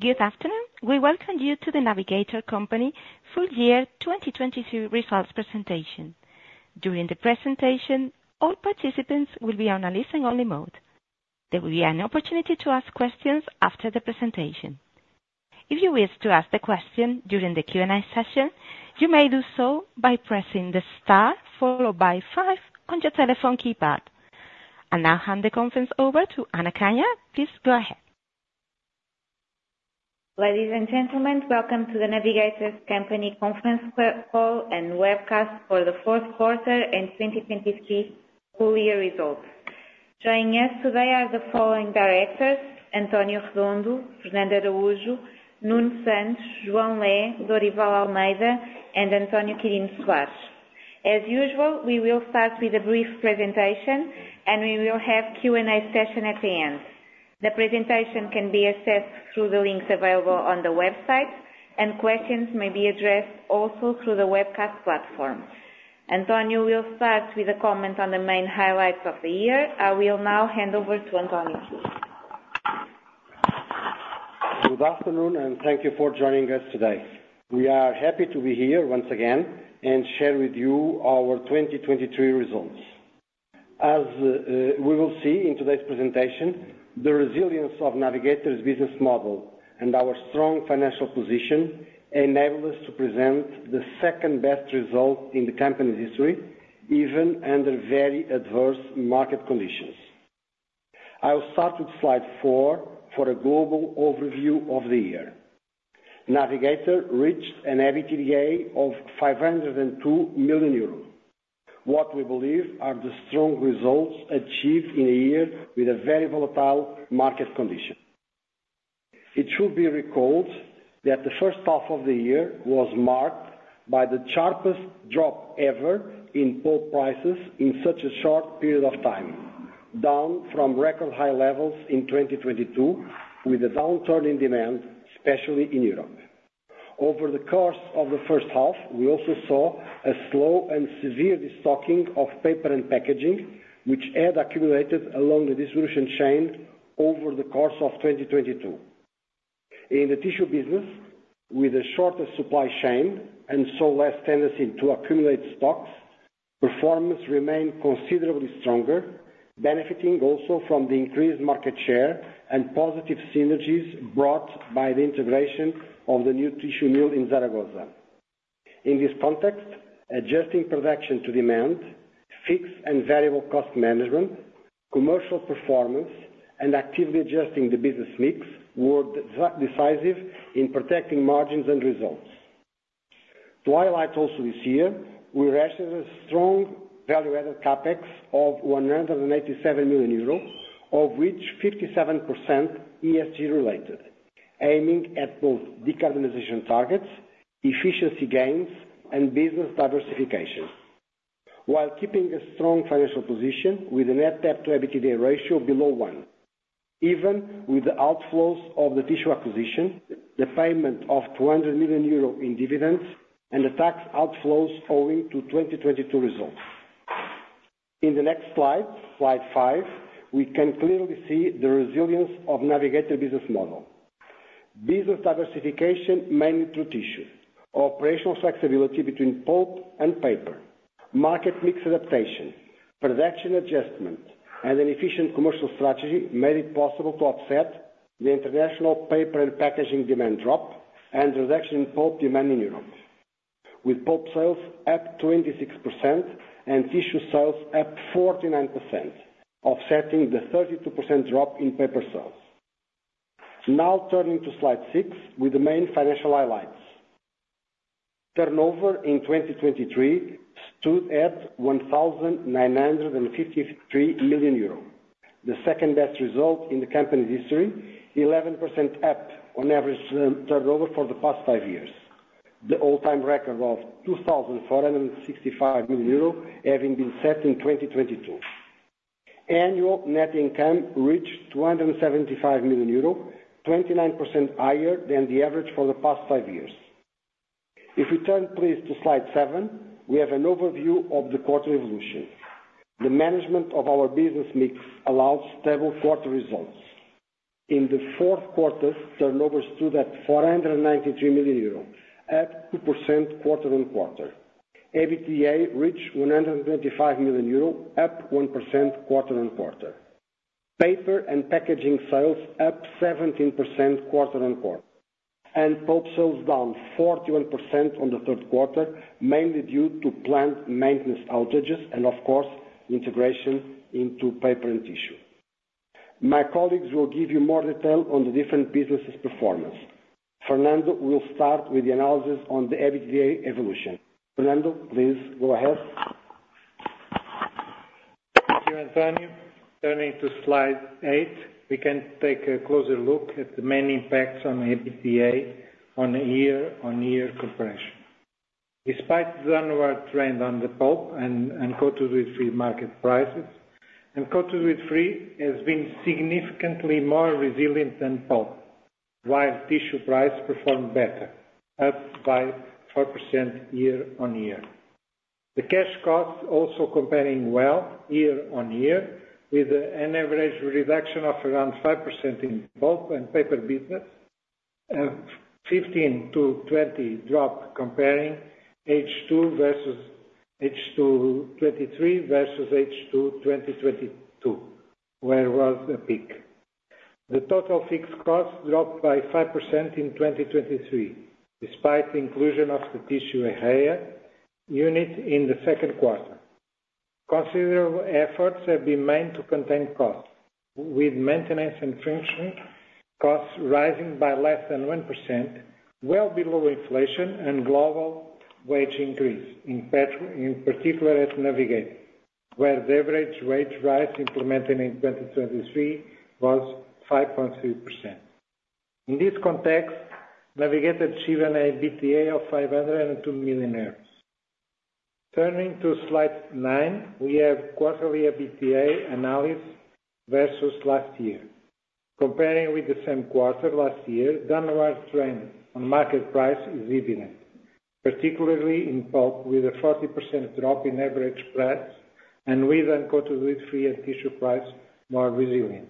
Good afternoon! We welcome you to The Navigator Company full year 2022 results presentation. During the presentation, all participants will be on a listen-only mode. There will be an opportunity to ask questions after the presentation. If you wish to ask the question during the Q&A session, you may do so by pressing the star followed by five on your telephone keypad. I now hand the conference over to Ana Canha. Please go ahead. Ladies and gentlemen, welcome to The Navigator Company conference call and webcast for the fourth quarter and 2023 full year results. Joining us today are the following directors: António Redondo, Fernando Araújo, Nuno Santos, João Lé, Dorival Almeida, and António Quirino Soares. As usual, we will start with a brief presentation, and we will have Q&A session at the end. The presentation can be accessed through the links available on the website, and questions may be addressed also through the webcast platform. António will start with a comment on the main highlights of the year. I will now hand over to António. Good afternoon, and thank you for joining us today. We are happy to be here once again and share with you our 2023 results. As we will see in today's presentation, the resilience of Navigator's business model and our strong financial position enable us to present the second-best result in the company's history, even under very adverse market conditions. I will start with slide four for a global overview of the year. Navigator reached an EBITDA of 502 million euros, what we believe are the strong results achieved in a year with a very volatile market condition. It should be recalled that the first half of the year was marked by the sharpest drop ever in pulp prices in such a short period of time, down from record high levels in 2022, with a downturn in demand, especially in Europe. Over the course of the first half, we also saw a slow and severe destocking of paper and packaging, which had accumulated along the distribution chain over the course of 2022. In the tissue business, with a shorter supply chain and so less tendency to accumulate stocks, performance remained considerably stronger, benefiting also from the increased market share and positive synergies brought by the integration of the new tissue mill in Zaragoza. In this context, adjusting production to demand, fixed and variable cost management, commercial performance, and actively adjusting the business mix were decisive in protecting margins and results. To highlight also this year, we registered a strong value-added CapEx of 187 million euro, of which 57% ESG related, aiming at both decarbonization targets, efficiency gains, and business diversification, while keeping a strong financial position with a net debt to EBITDA ratio below 1, even with the outflows of the tissue acquisition, the payment of 200 million euro in dividends, and the tax outflows owing to 2022 results. In the next slide, slide five, we can clearly see the resilience of Navigator business model. Business diversification, mainly through tissue, operational flexibility between pulp and paper, market mix adaptation, production adjustment, and an efficient commercial strategy, made it possible to offset the international paper and packaging demand drop and reduction in pulp demand in Europe, with pulp sales up 26% and tissue sales up 49%, offsetting the 32% drop in paper sales. Now turning to slide six with the main financial highlights. Turnover in 2023 stood at 1,953 million euros, the second-best result in the company's history, 11% up on average turnover for the past five years. The all-time record of 2,465 million euros, having been set in 2022. Annual net income reached 275 million euros, 29% higher than the average for the past five years. If we turn, please, to slide seven, we have an overview of the quarter evolution. The management of our business mix allows stable quarter results. In the fourth quarter, turnover stood at 493 million euro, up 2% quarter-on-quarter. EBITDA reached 125 million euro, up 1% quarter-on-quarter. Paper and packaging sales up 17% quarter-on-quarter, and pulp sales down 41% on the third quarter, mainly due to plant maintenance outages and, of course, integration into paper and tissue. My colleagues will give you more detail on the different businesses' performance. Fernando will start with the analysis on the EBITDA evolution. Fernando, please go ahead. Thank you, António. Turning to slide eight, we can take a closer look at the main impacts on EBITDA on a year-on-year comparison. Despite the downward trend on the pulp and coated woodfree market prices, and coated woodfree has been significantly more resilient than pulp, while tissue price performed better, up by 4% year on year. The cash cost also comparing well year on year, with an average reduction of around 5% in pulp and paper business, and 15%-20% drop comparing H2 versus H2 2023 versus H2 2022, where was the peak. The total fixed cost dropped by 5% in 2023, despite the inclusion of the tissue area unit in the second quarter. Considerable efforts have been made to contain costs, with maintenance and functioning costs rising by less than 1%, well below inflation and global wage increase, in particular at Navigator, where the average wage rise implemented in 2023 was 5.3%. In this context, Navigator achieved an EBITDA of 502 million. Turning to slide nine, we have quarterly EBITDA analysis versus last year. Comparing with the same quarter last year, downward trend on market price is evident, particularly in pulp, with a 40% drop in average price, and with uncoated wood free and tissue price more resilient.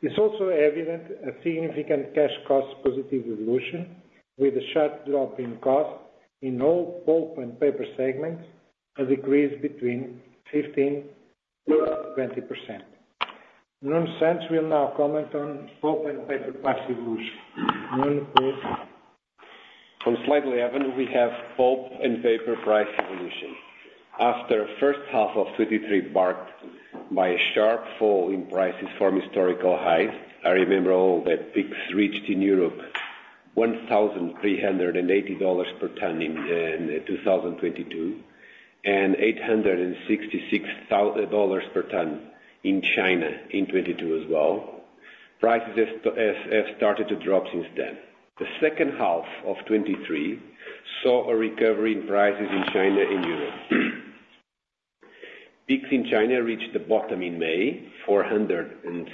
It's also evident a significant cash cost positive evolution, with a sharp drop in cost in all pulp and paper segments, a decrease between 15%-20%. Nuno Santos will now comment on pulp and paper price evolution. Nuno, please. On slide 11, we have pulp and paper price evolution. After first half of 2023 marked by a sharp fall in prices from historical highs, I remember all the peaks reached in Europe, $1,380 per ton in two thousand twenty-two, and eight hundred and sixty-six dollars per ton in China in 2022 as well. Prices have started to drop since then. The second half of 2023 saw a recovery in prices in China and Europe. Peaks in China reached the bottom in May, $475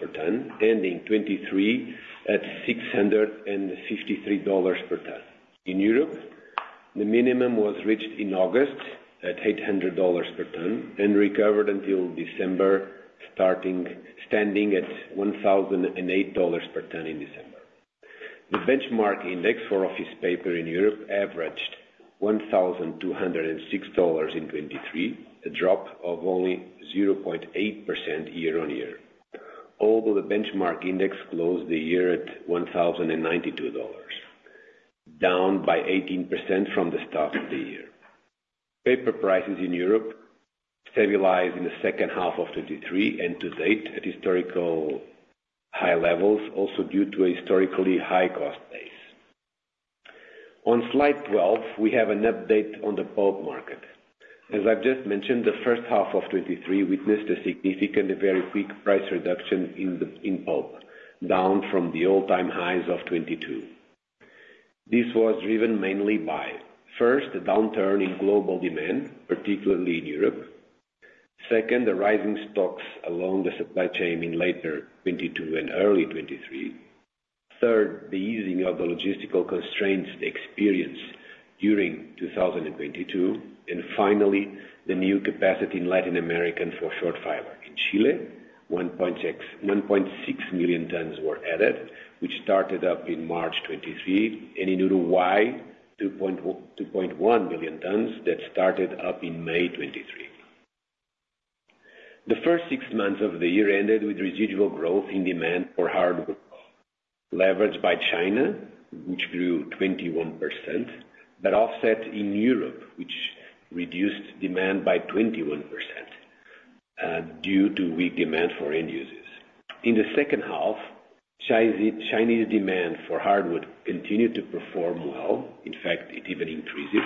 per ton, ending 2023 at $653 per ton. In Europe, the minimum was reached in August at $800 per ton and recovered until December, standing at $1,008 per ton in December. The benchmark index for office paper in Europe averaged $1,206 in 2023, a drop of only 0.8% year on year. Although the benchmark index closed the year at $1,092, down by 18% from the start of the year. Paper prices in Europe stabilized in the second half of 2023 and to date at historical high levels, also due to a historically high cost base. On slide 12, we have an update on the pulp market. As I've just mentioned, the first half of 2023 witnessed a significant and very quick price reduction in pulp, down from the all-time highs of 2022. This was driven mainly by, first, the downturn in global demand, particularly in Europe. Second, the rising stocks along the supply chain in late 2022 and early 2023. Third, the easing of the logistical constraints experienced during 2022. And finally, the new capacity in Latin America for short fiber. In Chile, 1.6, 1.6 million tons were added, which started up in March 2023, and in Uruguay, 2.1 million tons that started up in May 2023. The first six months of the year ended with residual growth in demand for hardwood, leveraged by China, which grew 21%, but offset in Europe, which reduced demand by 21%, due to weak demand for end users. In the second half, Chinese demand for hardwood continued to perform well. In fact, it even increases,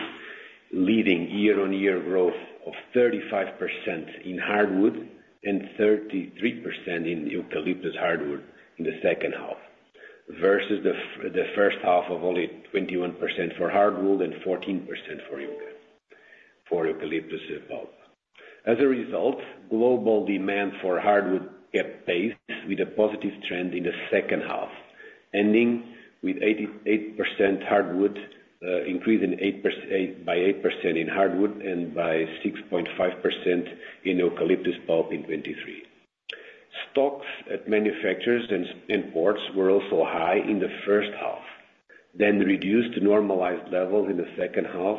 leading year-on-year growth of 35% in hardwood and 33% in eucalyptus hardwood in the second half, versus the first half of only 21% for hardwood and 14% for eucalyptus, for eucalyptus pulp. As a result, global demand for hardwood kept pace with a positive trend in the second half, ending with 88% hardwood increase in 8%, by 8% in hardwood and by 6.5% in eucalyptus pulp in 2023. Stocks at manufacturers and ports were also high in the first half, then reduced to normalized levels in the second half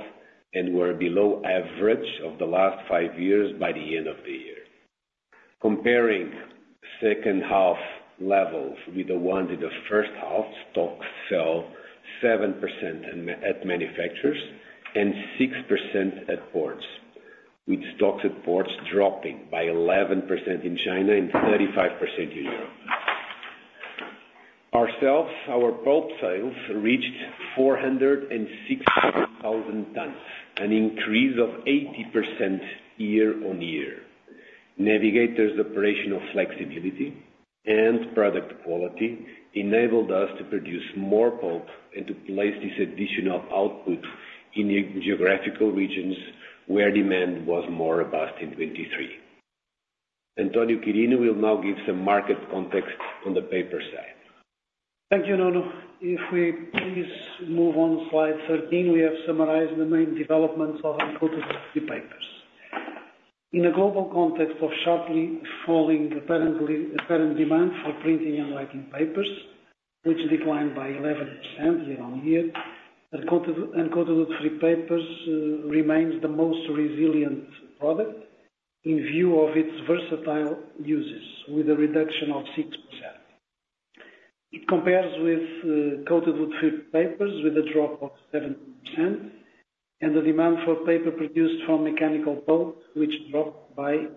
and were below average of the last 5 years by the end of the year. Comparing second half levels with the ones in the first half, stocks fell 7% at manufacturers and 6% at ports, with stocks at ports dropping by 11% in China and 35% in Europe. Ourself, our pulp sales reached 462,000 tons, an increase of 80% year-on-year. Navigator's operational flexibility and product quality enabled us to produce more pulp and to place this additional output in the geographical regions where demand was more robust in 2023... António Quirino will now give some market context on the paper side. Thank you, Nuno. If we please move on slide 13, we have summarized the main developments of uncoated woodfree papers. In a global context of sharply falling apparent demand for printing and writing papers, which declined by 11% year-on-year, uncoated woodfree papers remains the most resilient product in view of its versatile uses, with a reduction of 6%. It compares with coated woodfree papers, with a drop of 17%, and the demand for paper produced from mechanical pulp, which dropped by 18%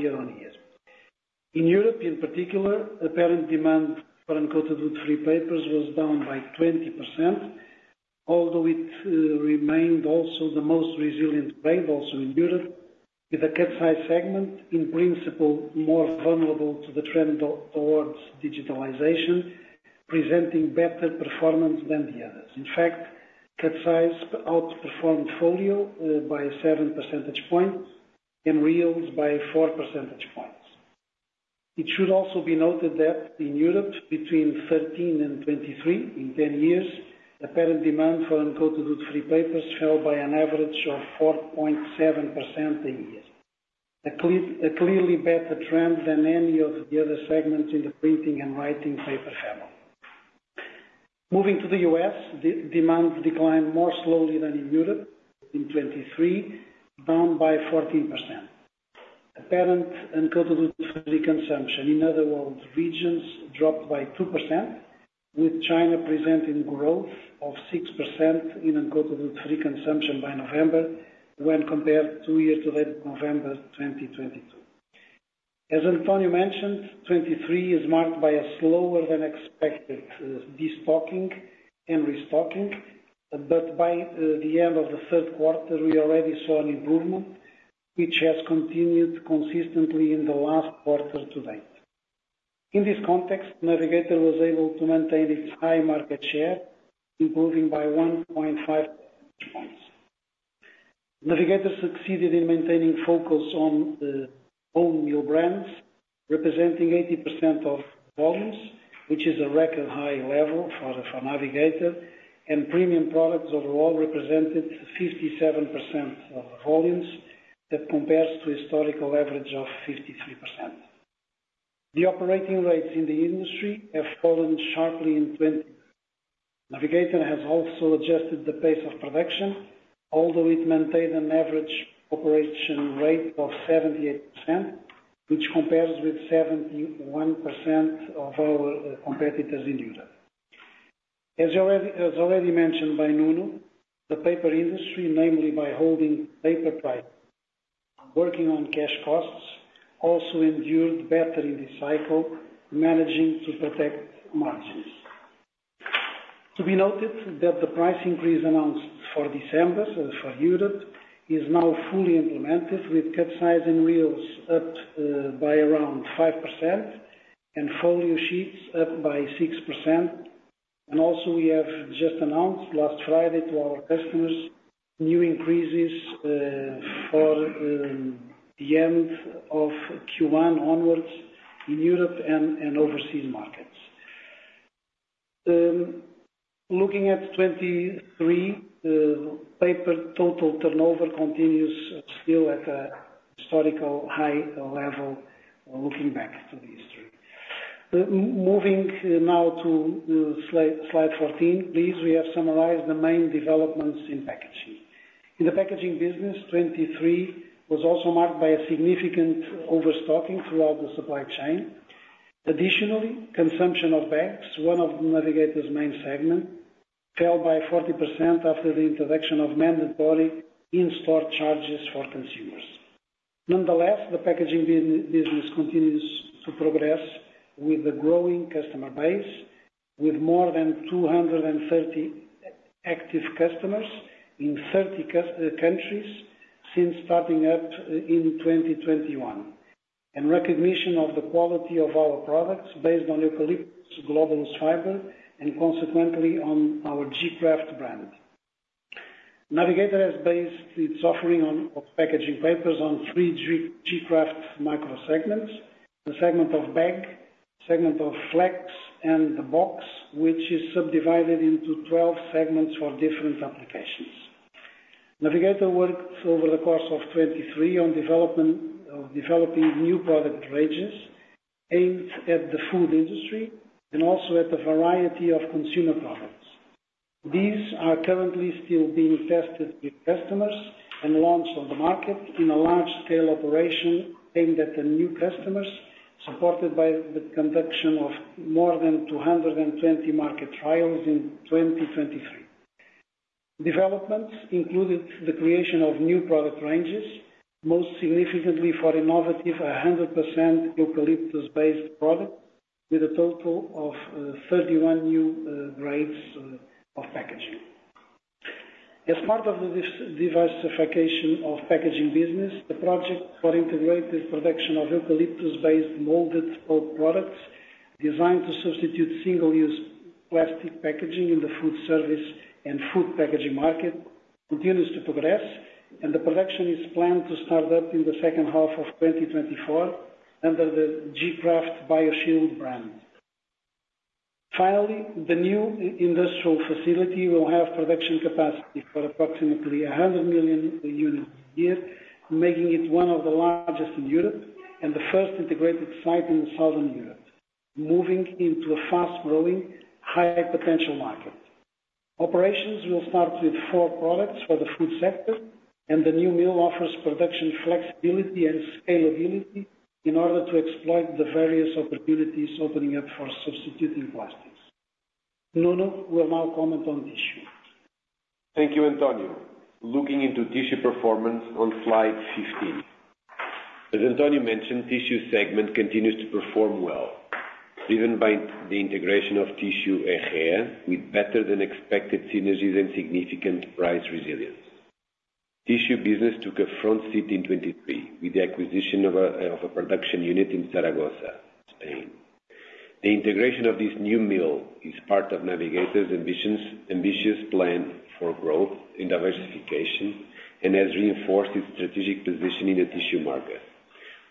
year-on-year. In Europe, in particular, apparent demand for uncoated woodfree papers was down by 20%, although it remained also the most resilient grade, also in Europe, with the cut size segment, in principle, more vulnerable to the trend towards digitalization, presenting better performance than the others. In fact, cut size outperformed folio by 7 percentage points and reels by 4 percentage points. It should also be noted that in Europe, between 2013 and 2023, in 10 years, apparent demand for uncoated woodfree papers fell by an average of 4.7% a year. A clearly better trend than any of the other segments in the printing and writing paper family. Moving to the U.S., the demand declined more slowly than in Europe in 2023, down by 14%. Apparent uncoated woodfree consumption, in other words, regions dropped by 2%, with China presenting growth of 6% in uncoated woodfree consumption by November, when compared to year to date, November 2022. As Antonio mentioned, 2023 is marked by a slower than expected, destocking and restocking, but by the end of the third quarter, we already saw an improvement, which has continued consistently in the last quarter to date. In this context, Navigator was able to maintain its high market share, improving by 1.5 points. Navigator succeeded in maintaining focus on the own new brands, representing 80% of volumes, which is a record high level for Navigator, and premium products overall represented 57% of volumes. That compares to historical average of 53%. The operating rates in the industry have fallen sharply in 2023. Navigator has also adjusted the pace of production, although it maintained an average operation rate of 78%, which compares with 71% of our competitors in Europe. As already mentioned by Nuno, the paper industry, namely by holding paper price, working on cash costs, also endured better in this cycle, managing to protect margins. To be noted, that the price increase announced for December, so for Europe, is now fully implemented, with cut size and reels up by around 5% and folio sheets up by 6%. Also, we have just announced last Friday to our customers, new increases for the end of Q1 onwards in Europe and overseas markets. Looking at 2023, paper total turnover continues still at a historical high level, looking back through the history. Moving now to slide 14, please, we have summarized the main developments in packaging. In the packaging business, 2023 was also marked by a significant overstocking throughout the supply chain. Additionally, consumption of bags, one of Navigator's main segment, fell by 40% after the introduction of mandatory in-store charges for consumers. Nonetheless, the packaging business continues to progress with a growing customer base, with more than 230 active customers in 30 countries since starting up in 2021, and recognition of the quality of our products based on eucalyptus globulus fiber, and consequently, on our gKraft brand. Navigator has based its offering on, of packaging papers on three gKraft micro segments: the segment of bag, segment of flex, and the box, which is subdivided into 12 segments for different applications. Navigator worked over the course of 2023 on developing new product ranges aimed at the food industry and also at a variety of consumer products. These are currently still being tested with customers and launch on the market in a large-scale operation aimed at the new customers, supported by the conduction of more than 220 market trials in 2023. Developments included the creation of new product ranges, most significantly for innovative 100% eucalyptus-based product, with a total of 31 new grades of packaging. As part of the diversification of packaging business, the project for integrated production of eucalyptus-based molded pulp products-... designed to substitute single-use plastic packaging in the food service and food packaging market, continues to progress, and the production is planned to start up in the second half of 2024 under the gKraft Bioshield brand. Finally, the new industrial facility will have production capacity for approximately 100 million units a year, making it one of the largest in Europe and the first integrated site in Southern Europe, moving into a fast-growing, high potential market. Operations will start with four products for the food sector, and the new mill offers production flexibility and scalability in order to exploit the various opportunities opening up for substituting plastics. Nuno will now comment on tissue. Thank you, António. Looking into tissue performance on slide 15. As António mentioned, tissue segment continues to perform well, driven by the integration of Tissue Ejea, with better than expected synergies and significant price resilience. Tissue business took a front seat in 2023, with the acquisition of a production unit in Zaragoza, Spain. The integration of this new mill is part of Navigator's ambitions, ambitious plan for growth and diversification, and has reinforced its strategic position in the tissue market,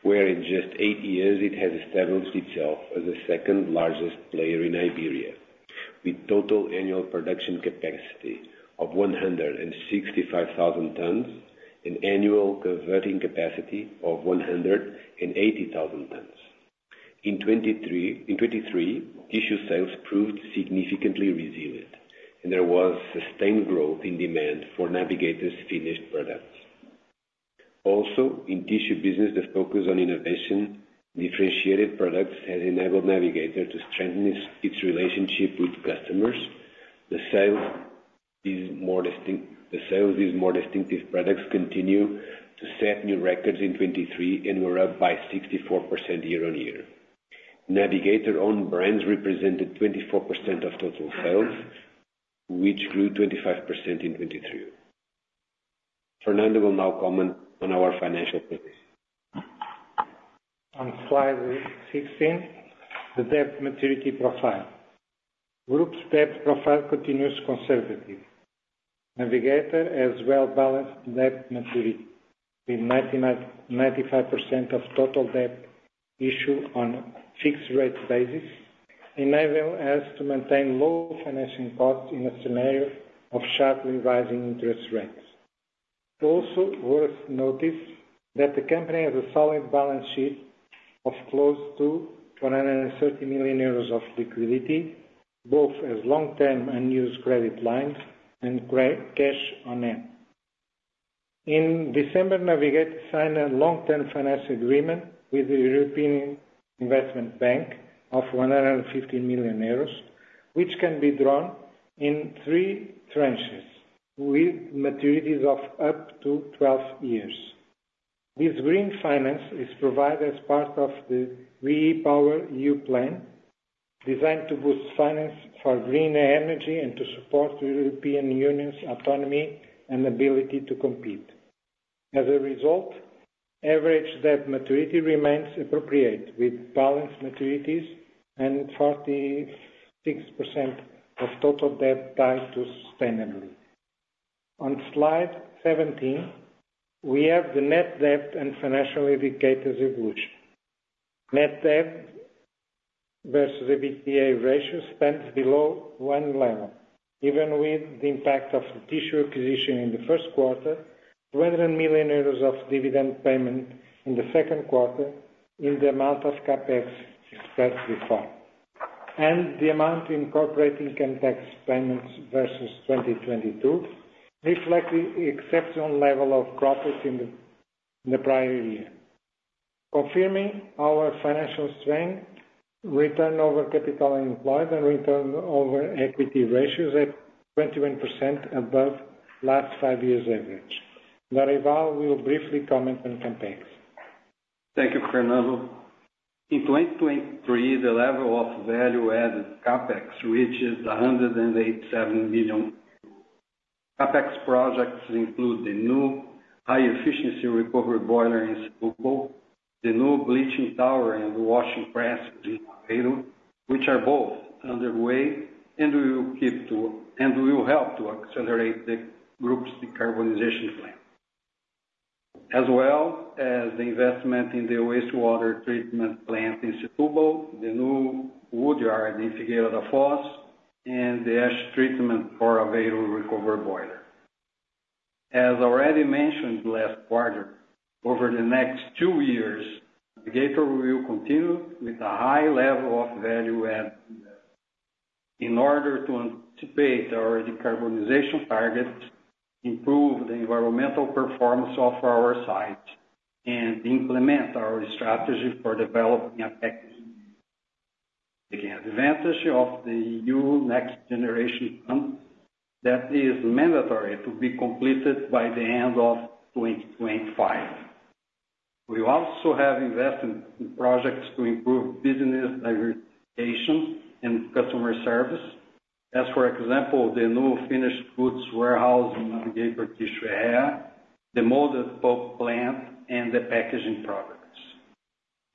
where in just 8 years it has established itself as the second largest player in Iberia, with total annual production capacity of 165,000 tons and annual converting capacity of 180,000 tons. In 2023, in 2023, tissue sales proved significantly resilient, and there was sustained growth in demand for Navigator's finished products. Also, in tissue business, the focus on innovation, differentiated products, has enabled Navigator to strengthen its relationship with customers. The sales is more distinct—the sales is more distinctive products continue to set new records in 2023 and were up by 64% year-on-year. Navigator-owned brands represented 24% of total sales, which grew 25% in 2023. Fernando will now comment on our financial position. On slide 16, the debt maturity profile. Group's debt profile continues conservative. Navigator has well-balanced debt maturity, with 95% of total debt issued on a fixed-rate basis, enabling us to maintain low financing costs in a scenario of sharply rising interest rates. Also worth notice, that the company has a solid balance sheet of close to 430 million euros of liquidity, both as long-term unused credit lines and cash on hand. In December, Navigator signed a long-term finance agreement with the European Investment Bank of 150 million euros, which can be drawn in 3 tranches, with maturities of up to 12 years. This green finance is provided as part of the REPowerEU plan, designed to boost finance for greener energy and to support the European Union's autonomy and ability to compete. As a result, average debt maturity remains appropriate, with balanced maturities and 46% of total debt tied to sustainability. On slide 17, we have the net debt and financial indicators evolution. Net debt versus EBITDA ratio stands below 1 level, even with the impact of the tissue acquisition in the first quarter, 200 million euros of dividend payment in the second quarter, in the amount of CapEx expressed before, and the amount incorporating income tax payments versus 2022, reflecting the exceptional level of profit in the prior year. Confirming our financial strength, return over capital employed and return over equity ratios at 21% above last 5 years' average. Dorival will briefly comment on CapEx. Thank you, Fernando. In 2023, the level of value added CapEx reaches 187 million. CapEx projects include the new high-efficiency recovery boiler in Setúbal, the new bleaching tower and washing press in Aveiro, which are both underway and will help to accelerate the group's decarbonization plan, as well as the investment in the wastewater treatment plant in Setúbal, the new wood yard in Figueira da Foz, and the ash treatment for Aveiro recovery boiler. As already mentioned last quarter, over the next 2 years, Navigator will continue with a high level of value add, in order to anticipate our decarbonization targets, improve the environmental performance of our sites, and implement our strategy for developing effects. Taking advantage of the new Next Generation fund that is mandatory to be completed by the end of 2025. We also have invested in projects to improve business diversification and customer service.... As for example, the new finished goods warehouse in Navigator Tissue area, the molded pulp plant and the packaging products.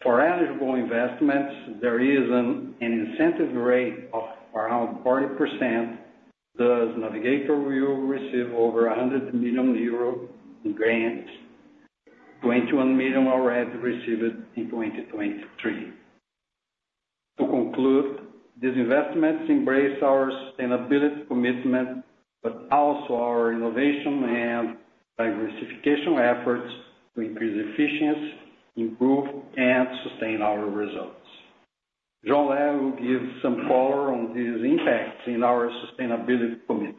For eligible investments, there is an incentive rate of around 40%, thus Navigator will receive over 100 million euro in grants, 21 million already received in 2023. To conclude, these investments embrace our sustainability commitment, but also our innovation and diversification efforts to increase efficiency, improve and sustain our results. João Lé will give some color on these impacts in our sustainability commitment.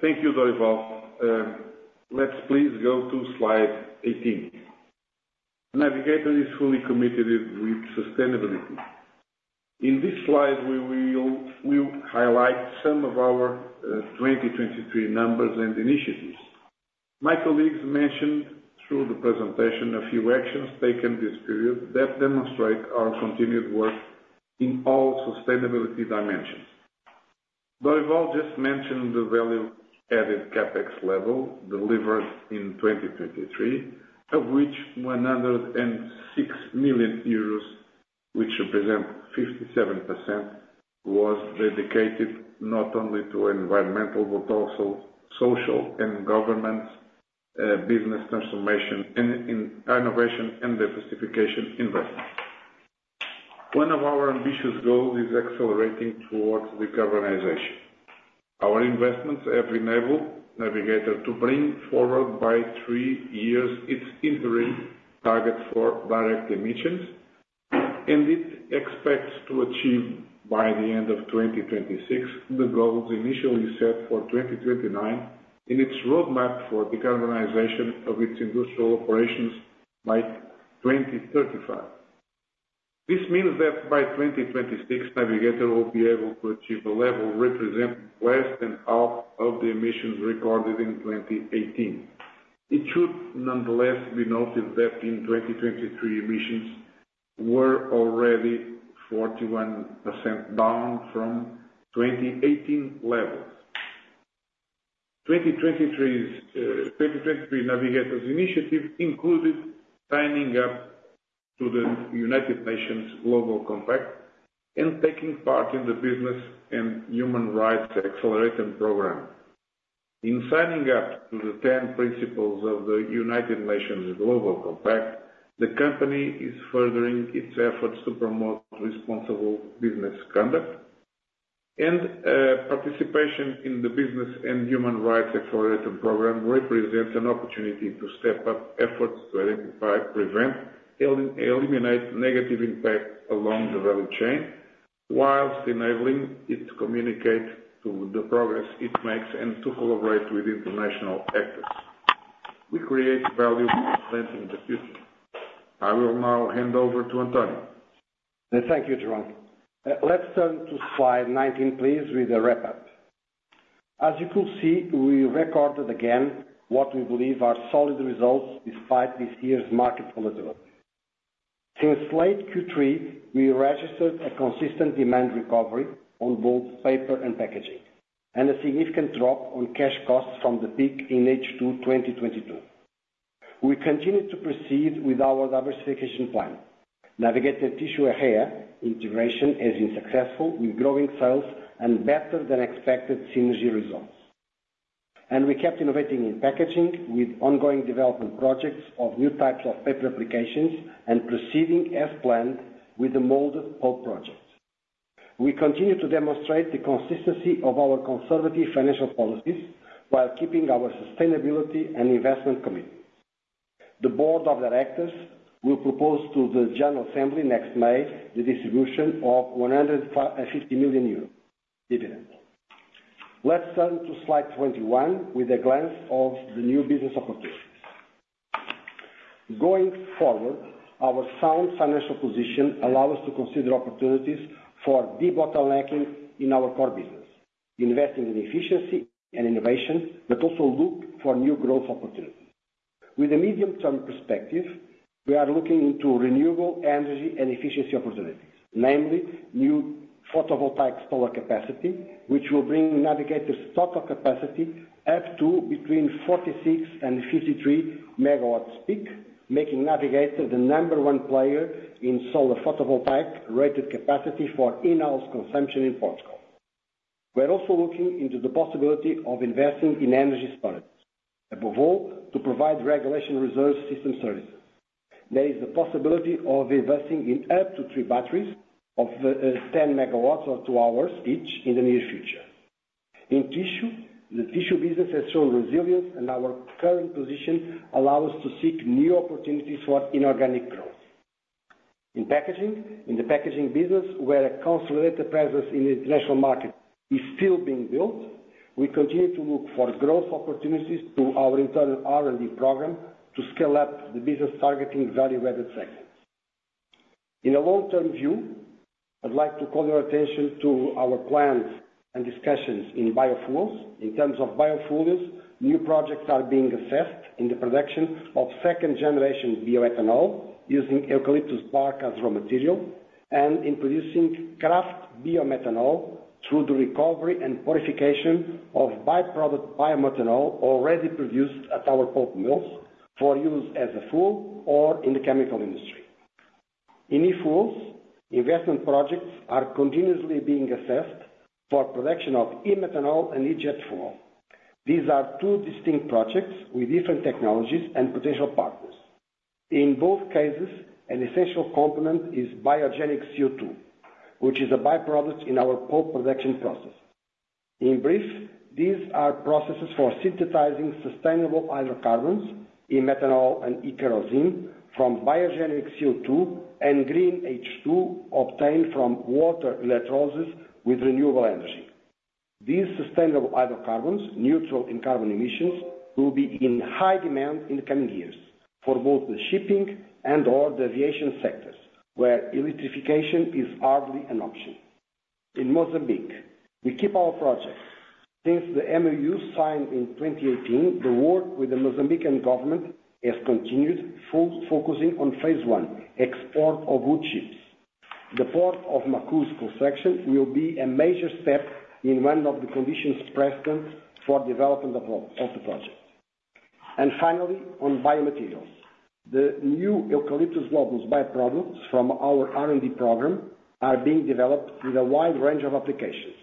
Thank you, Dorival. Let's please go to slide 18. Navigator is fully committed with sustainability. In this slide, we will, we will highlight some of our, 2023 numbers and initiatives. My colleagues mentioned through the presentation, a few actions taken this period that demonstrate our continued work in all sustainability dimensions. Dorival just mentioned the value added CapEx level delivered in 2023, of which 106 million euros, which represent 57%, was dedicated not only to environmental but also social and governance, business transformation and in innovation and diversification investment. One of our ambitious goals is accelerating towards decarbonization. Our investments have enabled Navigator to bring forward by three years its interim target for direct emissions, and it expects to achieve by the end of 2026, the goals initially set for 2029 in its roadmap for decarbonization of its industrial operations by 2035. This means that by 2026, Navigator will be able to achieve a level representing less than half of the emissions recorded in 2018. It should, nonetheless, be noted that in 2023, emissions were already 41% down from 2018 levels. 2023's, 2023 Navigator's initiative included signing up to the United Nations Global Compact and taking part in the Business and Human Rights Acceleration program. In signing up to the ten principles of the United Nations Global Compact, the company is furthering its efforts to promote responsible business conduct and participation in the Business and Human Rights Acceleration program represents an opportunity to step up efforts to identify, prevent, eliminate negative impact along the value chain, while enabling it to communicate to the progress it makes and to collaborate with international actors. We create value in the future. I will now hand over to António. Thank you, João. Let's turn to slide 19, please, with a wrap up. As you could see, we recorded again what we believe are solid results despite this year's market volatility. Since late Q3, we registered a consistent demand recovery on both paper and packaging, and a significant drop on cash costs from the peak in H2 2022. We continue to proceed with our diversification plan. Navigator Tissue area integration has been successful, with growing sales and better than expected synergy results. And we kept innovating in packaging, with ongoing development projects of new types of paper applications and proceeding as planned with the molded pulp projects. We continue to demonstrate the consistency of our conservative financial policies while keeping our sustainability and investment commitment. The board of directors will propose to the General Assembly next May, the distribution of 150 million euros dividend. Let's turn to slide 21 with a glance of the new business opportunities. Going forward, our sound financial position allow us to consider opportunities for debottlenecking in our core business, investing in efficiency and innovation, but also look for new growth opportunities. With a medium-term perspective, we are looking into renewable energy and efficiency opportunities, namely new photovoltaic solar capacity, which will bring Navigator's total capacity up to between 46 and 53 megawatts peak, making Navigator the number one player in solar photovoltaic rated capacity for in-house consumption in Portugal. We are also looking into the possibility of investing in energy storage, above all, to provide regulation reserve system services. There is the possibility of investing in up to three batteries of, 10 megawatts or two hours each in the near future. In tissue, the tissue business has shown resilience, and our current position allow us to seek new opportunities for inorganic growth. In packaging, in the packaging business, where a consolidated presence in the international market is still being built, we continue to look for growth opportunities through our internal R&D program to scale up the business targeting value-added segments. In a long-term view, I'd like to call your attention to our plans and discussions in biofuels. In terms of biofuels, new projects are being assessed in the production of second generation bioethanol, using eucalyptus bark as raw material, and in producing craft biomethanol through the recovery and purification of byproduct biomethanol already produced at our pulp mills, for use as a fuel or in the chemical industry. In e-fuels, investment projects are continuously being assessed for production of e-methanol and e-jet fuel. These are two distinct projects with different technologies and potential partners. In both cases, an essential component is biogenic CO2, which is a by-product in our pulp production process. In brief, these are processes for synthesizing sustainable hydrocarbons, e-methanol, and e-kerosene from biogenic CO2 and green H2, obtained from water electrolysis with renewable energy. These sustainable hydrocarbons, neutral in carbon emissions, will be in high demand in the coming years for both the shipping and/or the aviation sectors, where electrification is hardly an option. In Mozambique, we keep our projects. Since the MOU signed in 2018, the work with the Mozambican government has continued, focusing on phase I, export of wood chips. The Port of Macuse construction will be a major step in one of the conditions precedent for development of the project. Finally, on biomaterials. The new Eucalyptus globulus by-products from our R&D program are being developed with a wide range of applications,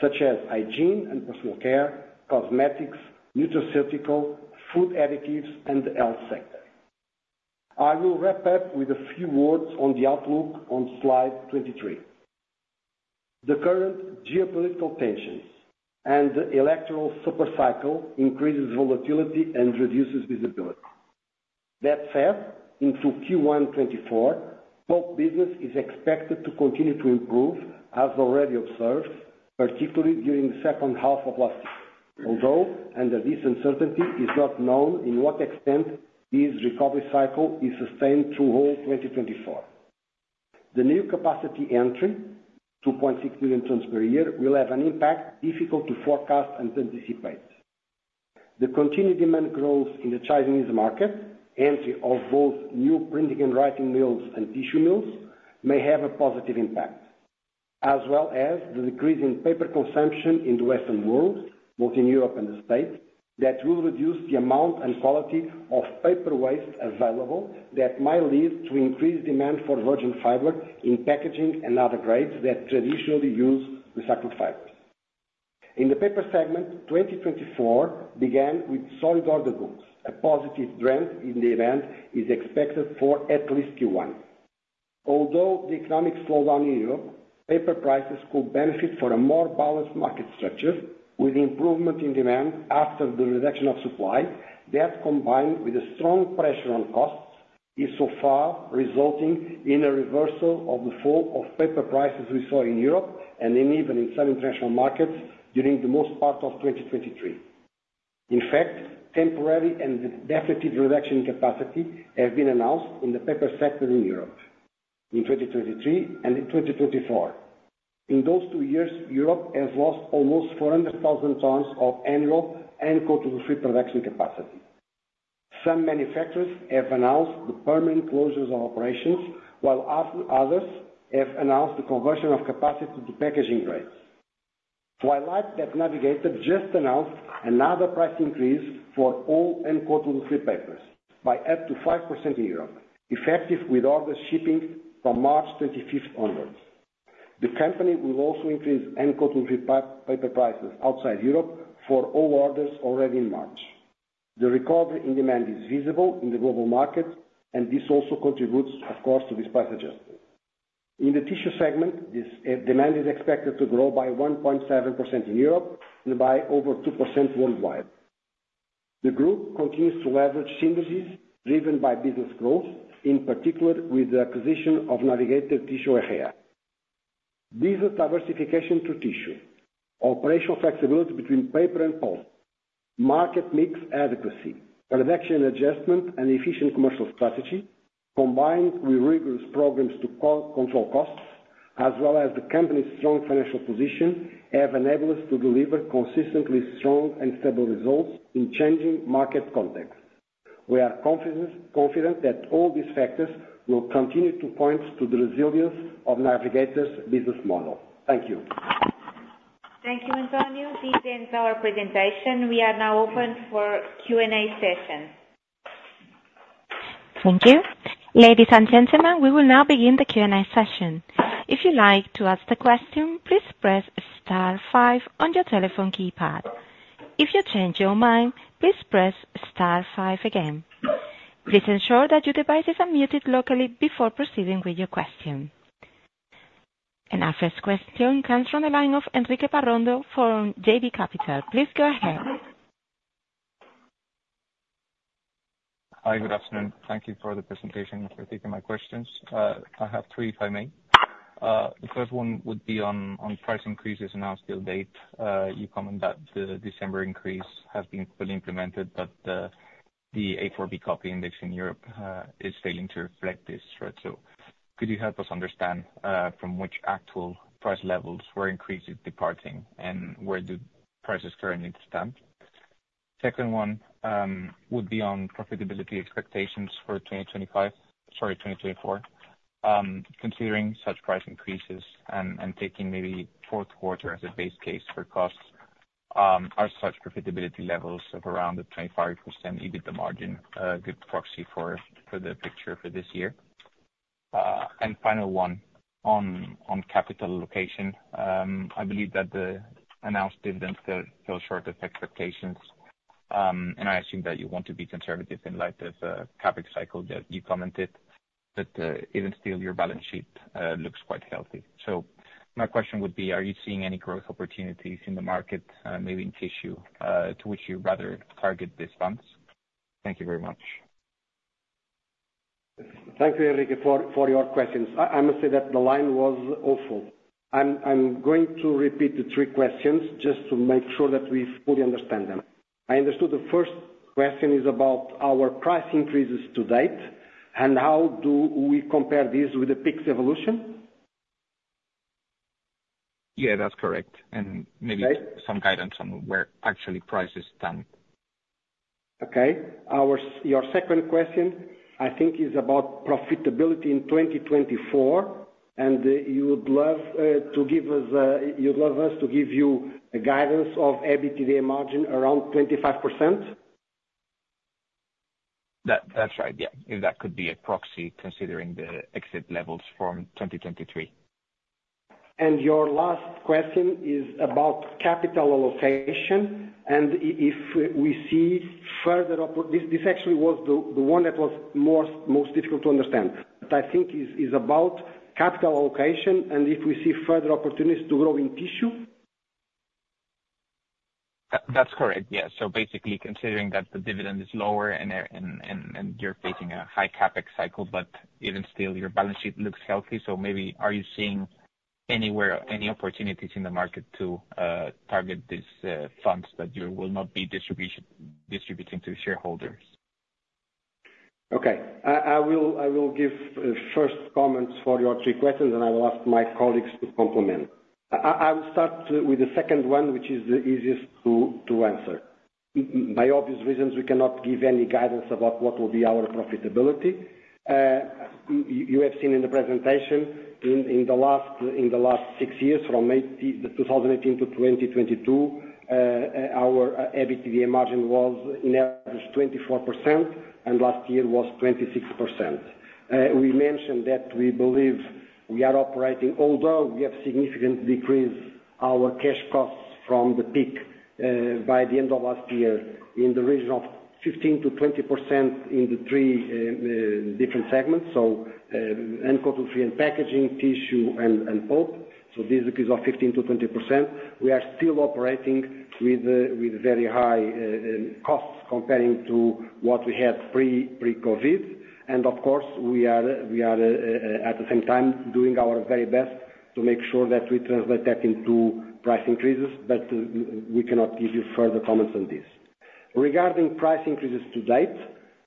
such as hygiene and personal care, cosmetics, nutraceutical, food additives, and the health sector. I will wrap up with a few words on the outlook on slide 23. The current geopolitical tensions and electoral super cycle increases volatility and reduces visibility. That said, into Q1 2024, pulp business is expected to continue to improve, as already observed, particularly during the second half of last year. Although, under this uncertainty is not known in what extent this recovery cycle is sustained through all 2024. The new capacity entry, 2.6 million tons per year, will have an impact difficult to forecast and anticipate. The continued demand growth in the Chinese market, entry of both new printing and writing mills and tissue mills, may have a positive impact, as well as the decrease in paper consumption in the Western world, both in Europe and the States, that will reduce the amount and quality of paper waste available that might lead to increased demand for virgin fiber in packaging and other grades that traditionally use recycled fibers. In the paper segment, 2024 began with solid order books. A positive trend in demand is expected for at least Q1. Although the economic slowdown in Europe, paper prices could benefit for a more balanced market structure, with improvement in demand after the reduction of supply. That, combined with a strong pressure on costs, is so far resulting in a reversal of the fall of paper prices we saw in Europe and even in some international markets during most of 2023. In fact, temporary and definitive reduction in capacity have been announced in the paper sector in Europe in 2023 and in 2024. In those two years, Europe has lost almost 400,000 tons of annual uncoated woodfree production capacity. Some manufacturers have announced the permanent closures of operations, while others have announced the conversion of capacity to packaging grades. That while Navigator just announced another price increase for all uncoated woodfree papers by up to 5% in Europe, effective with all the shipping from March 25 onwards. The company will also increase in coated woodfree paper prices outside Europe for all orders already in March. The recovery in demand is visible in the global market, and this also contributes, of course, to this price adjustment. In the tissue segment, this demand is expected to grow by 1.7% in Europe and by over 2% worldwide. The group continues to leverage synergies driven by business growth, in particular with the acquisition of Navigator Tissue Ejea. Business diversification to tissue, operational flexibility between paper and pulp, market mix adequacy, production adjustment, and efficient commercial strategy, combined with rigorous programs to cost-control costs, as well as the company's strong financial position, have enabled us to deliver consistently strong and stable results in changing market context. We are confident that all these factors will continue to point to the resilience of Navigator's business model. Thank you. Thank you, António. This ends our presentation. We are now open for Q&A session. Thank you. Ladies and gentlemen, we will now begin the Q&A session. If you'd like to ask the question, please press star five on your telephone keypad. If you change your mind, please press star five again. Please ensure that your devices are muted locally before proceeding with your question. Our first question comes from the line of Enrique Parrondo from JB Capital. Please go ahead. Hi. Good afternoon. Thank you for the presentation, and for taking my questions. I have three, if I may? The first one would be on price increases and how to date. You comment that the December increase has been fully implemented, but the A4 B-copy index in Europe is failing to reflect this trend. So could you help us understand from which actual price levels were increases departing, and where do prices currently stand? Second one would be on profitability expectations for 2025, sorry, 2024. Considering such price increases and taking maybe fourth quarter as a base case for costs, are such profitability levels of around the 25% EBIT margin a good proxy for the picture for this year? And final one, on capital allocation. I believe that the announced dividends fell short of expectations. I assume that you want to be conservative in light of CapEx cycle that you commented, but even still, your balance sheet looks quite healthy. So my question would be: are you seeing any growth opportunities in the market, maybe in tissue, to which you rather target these funds? Thank you very much. Thank you, Enrique, for your questions. I must say that the line was awful. I'm going to repeat the three questions just to make sure that we fully understand them. I understood the first question is about our price increases to date, and how do we compare this with the peaks evolution? Yeah, that's correct. And- Right. Maybe some guidance on where actually price is done. Okay. Your second question, I think, is about profitability in 2024, and you would love to give us you'd love us to give you a guidance of EBITDA margin around 25%? That, that's right, yeah. If that could be a proxy, considering the exit levels from 2023. Your last question is about capital allocation, and if we see further opportunities to grow in tissue. This actually was the one that was most difficult to understand. But I think is about capital allocation and if we see further opportunities to grow in tissue. That, that's correct. Yeah. So basically, considering that the dividend is lower and you're facing a high CapEx cycle, but even still, your balance sheet looks healthy. So maybe are you seeing anywhere, any opportunities in the market to target these funds that you will not be distributing to shareholders? Okay. I will give first comments for your three questions, and I will ask my colleagues to complement. I will start with the second one, which is the easiest to answer. For obvious reasons, we cannot give any guidance about what will be our profitability. You have seen in the presentation, in the last six years, from 2018 to 2022, our EBITDA margin was on average 24%, and last year was 26%. We mentioned that we believe we are operating, although we have significantly decreased our cash costs from the peak, by the end of last year, in the region of 15%-20% in the three different segments. So, and paper and packaging, tissue and pulp. So this is 15%-20%. We are still operating with very high costs comparing to what we had pre-COVID. And of course, we are at the same time doing our very best to make sure that we translate that into price increases, but we cannot give you further comments on this. Regarding price increases to date,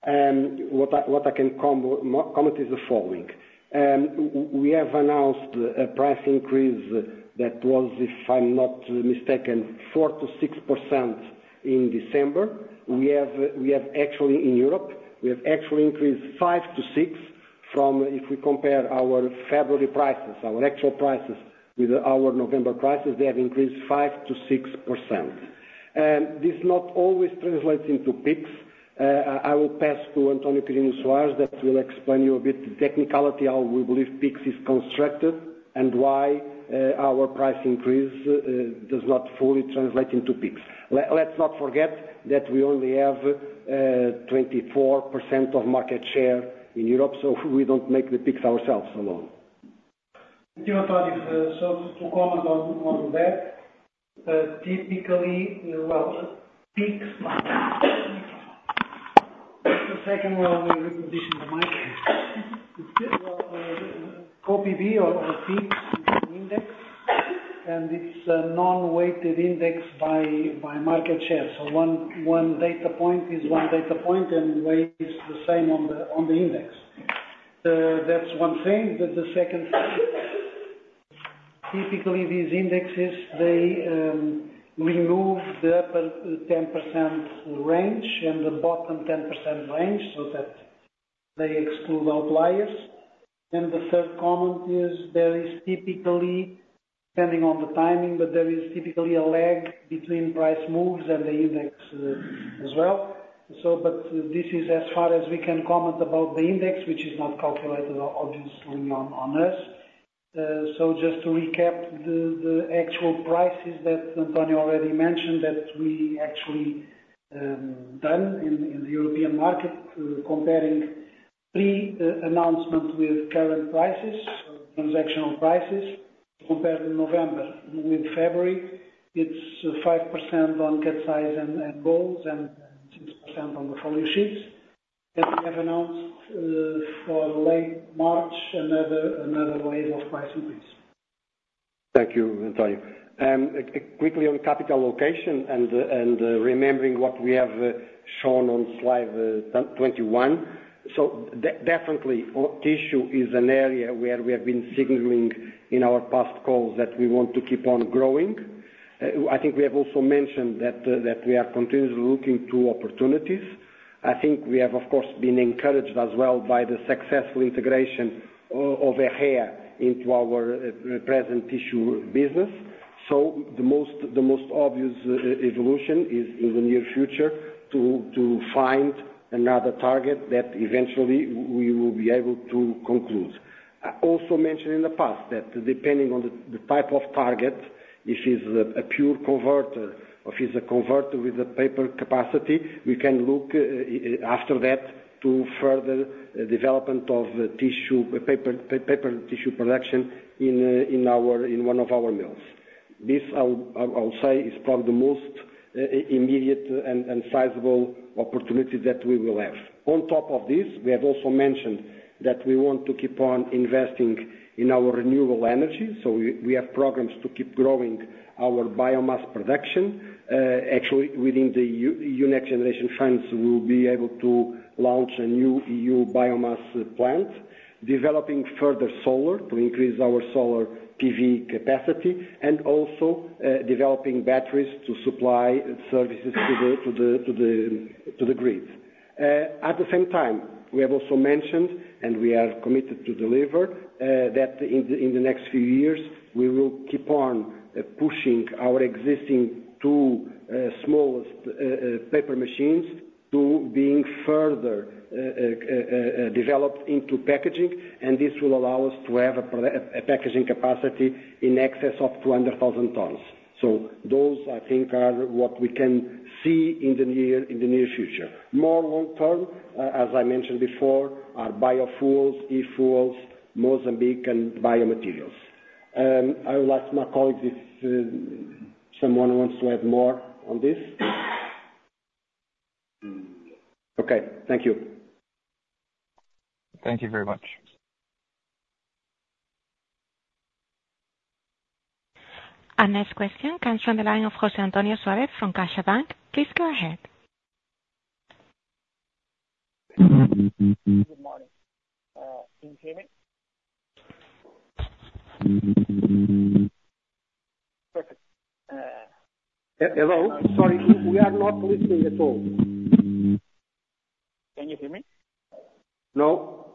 what I can comment is the following: we have announced a price increase that was, if I'm not mistaken, 4%-6% in December. We have actually, in Europe, we have actually increased 5%-6% from if we compare our February prices, our actual prices, with our November prices, they have increased 5%-6%. This not always translates into PIX. I will pass to António Quirino Soares, that will explain you a bit technicality, how we believe PIX is constructed and why our price increase does not fully translate into PIX. Let's not forget that we only have 24% of market share in Europe, so we don't make the PIX ourselves alone. Thank you, António. So to comment on that, typically, well, PIX in A4B copy index, and it's a non-weighted index by market share. So one data point is one data point, and the weight is the same on the index. That's one thing. But the second thing, typically, these indexes, they remove the upper 10% range and the bottom 10% range, so that they exclude outliers. And the third comment is there is typically, depending on the timing, but there is typically a lag between price moves and the index, as well. So, but this is as far as we can comment about the index, which is not calculated obviously on us. So just to recap the actual prices that António already mentioned, that we actually done in the European market, comparing pre-announcement with current prices, transactional prices, compared to November with February, it's 5% on cut size and reels and 6% on the folio sheets. As we have announced, for late March, another wave of price increase.... Thank you, Antonio. Quickly on capital allocation and remembering what we have shown on slide 21. So definitely, tissue is an area where we have been signaling in our past calls that we want to keep on growing. I think we have also mentioned that we are continuously looking to opportunities. I think we have, of course, been encouraged as well by the successful integration of Ejea into our present tissue business. So the most obvious evolution is in the near future to find another target that eventually we will be able to conclude. I also mentioned in the past that depending on the type of target, if it's a pure converter or if it's a converter with a paper capacity, we can look after that to further development of the tissue, paper, paper and tissue production in one of our mills. This I'll say is probably the most immediate and sizable opportunity that we will have. On top of this, we have also mentioned that we want to keep on investing in our renewable energy, so we have programs to keep growing our biomass production. Actually, within the next generation funds, we'll be able to launch a new EU biomass plant, developing further solar to increase our solar PV capacity, and also developing batteries to supply services to the grid. At the same time, we have also mentioned, and we are committed to deliver, that in the, in the next few years, we will keep on, pushing our existing two, smallest, paper machines to being further, developed into packaging, and this will allow us to have a packaging capacity in excess of 200,000 tons. So those, I think, are what we can see in the near future. More long term, as I mentioned before, are biofuels, e-fuels, Mozambique and biomaterials. I would ask my colleagues if, someone wants to add more on this? Okay. Thank you. Thank you very much. Our next question comes from the line of José Antonio Suárez from CaixaBank. Please go ahead. Good morning. Can you hear me? Perfect. Hello? Sorry, we are not listening at all. Can you hear me? No.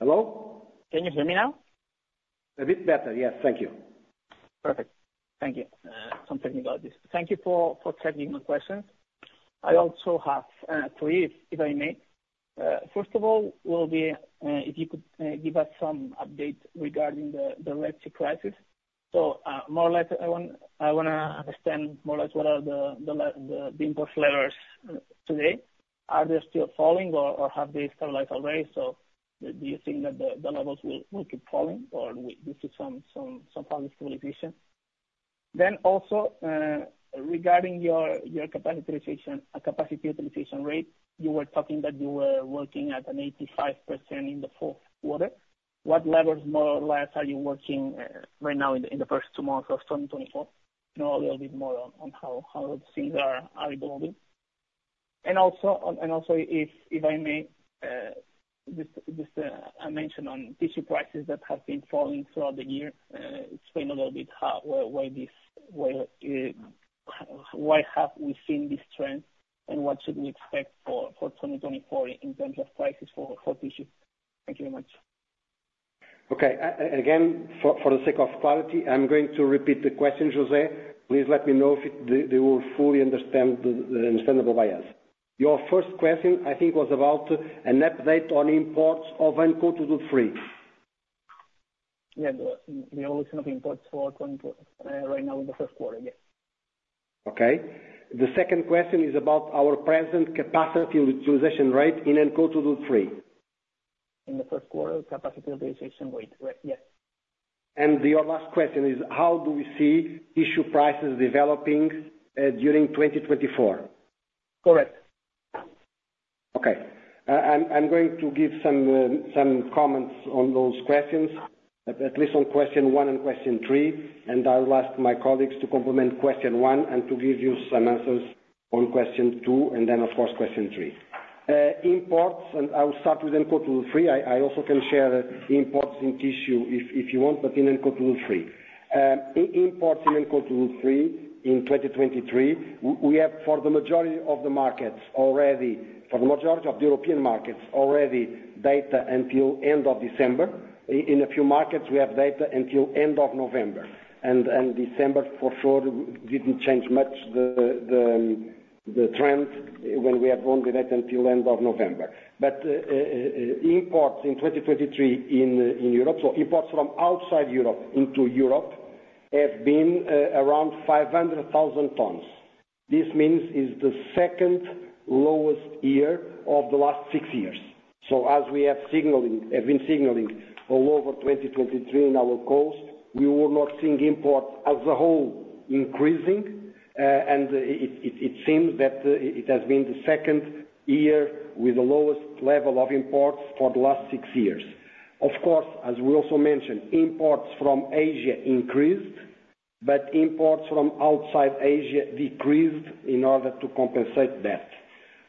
Hello? Can you hear me now? A bit better, yes. Thank you. Perfect. Thank you. Some technicalities. Thank you for taking my question. I also have three, if I may. First of all, if you could give us some update regarding the Red Sea crisis. So, more or less, I want to understand more or less what are the import levels today. Are they still falling or have they stabilized already? So do you think that the levels will keep falling or this is some kind of stabilization? Then also, regarding your capacity utilization rate, you were talking that you were working at 85% in the fourth quarter. What levels, more or less, are you working right now in the first two months of 2024? Know a little bit more on how things are evolving. Also, if I may, I mentioned on tissue prices that have been falling throughout the year. Explain a little bit how or why this, well, why have we seen this trend, and what should we expect for 2024 in terms of prices for tissue? Thank you very much. Okay. Again, for, for the sake of clarity, I'm going to repeat the question, José. Please let me know if they will fully understand, understandable by us. Your first question, I think, was about an update on imports of N code two to three. Yeah, the evolution of imports for 2024, right now in the first quarter. Yeah. Okay. The second question is about our present capacity utilization rate in N code two-three. In the first quarter, capacity utilization rate. Your last question is, how do we see tissue prices developing during 2024? Correct. Okay. I'm going to give some comments on those questions, at least on question one and question three, and I will ask my colleagues to complement question one and to give you some answers on question two, and then, of course, question three. Imports, and I will start with N code two to three. I also can share imports in tissue if you want, but in N code two to three. Imports in N code two to three, in 2023, we have, for the majority of the markets already, for the majority of the European markets, already data until end of December. In a few markets, we have data until end of November, and December, for sure, didn't change much the trend when we have only data until end of November. Imports in 2023 in Europe, so imports from outside Europe into Europe, have been around 500,000 tons. This means it's the second lowest year of the last six years. So as we have been signaling all over 2023 in our calls, we were not seeing imports as a whole increasing. And it seems that it has been the second year with the lowest level of imports for the last six years. Of course, as we also mentioned, imports from Asia increased, but imports from outside Asia decreased in order to compensate that.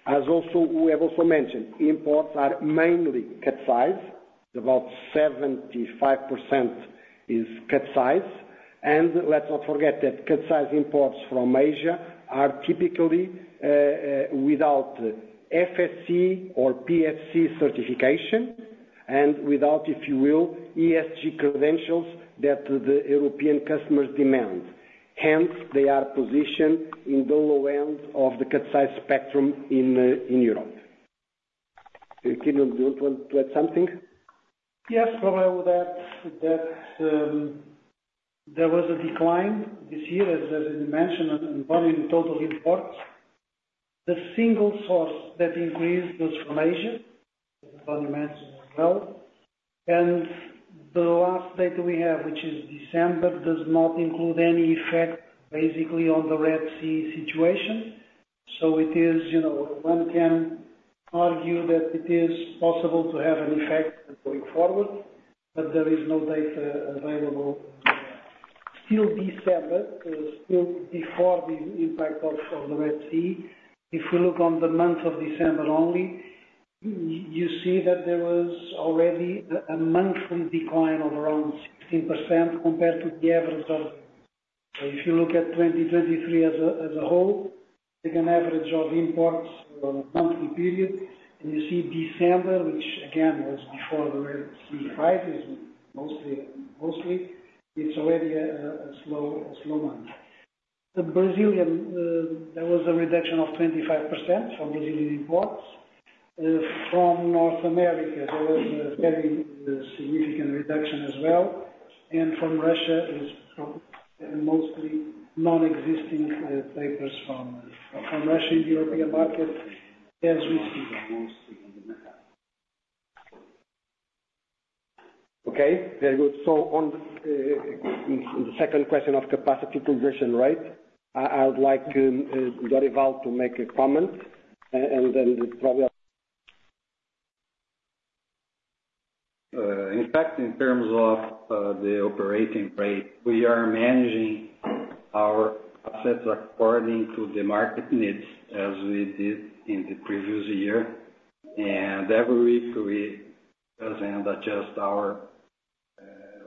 As we have also mentioned, imports are mainly cut size, about 75% is cut size. Let's not forget that cut size imports from Asia are typically without FSC or PEFC certification, and without, if you will, ESG credentials that the European customers demand. Hence, they are positioned in the low end of the cut size spectrum in Europe. Aquino, do you want to add something? Yes, probably with that, there was a decline this year, as you mentioned, on volume, total imports. The single source that increased was from Asia, António mentioned as well. And the last data we have, which is December, does not include any effect, basically, on the Red Sea situation. So it is, you know, one can argue that it is possible to have an effect going forward, but there is no data available. Still December, still before the impact also of the Red Sea, if we look on the month of December only, you see that there was already a monthly decline of around 16% compared to the average of... If you look at 2023 as a whole, take an average of imports for a monthly period, and you see December, which again was before the Red Sea crisis, mostly. It's already a slow month. The Brazilian, there was a reduction of 25% from Brazilian imports. From North America, there was a very significant reduction as well, and from Russia is practically mostly non-existing, papers from Russia in the European market as we see. Okay, very good. So on the second question of capacity progression rate, I would like Dorival to make a comment and then probably. In fact, in terms of the operating rate, we are managing our assets according to the market needs, as we did in the previous year. And every week, we present and adjust our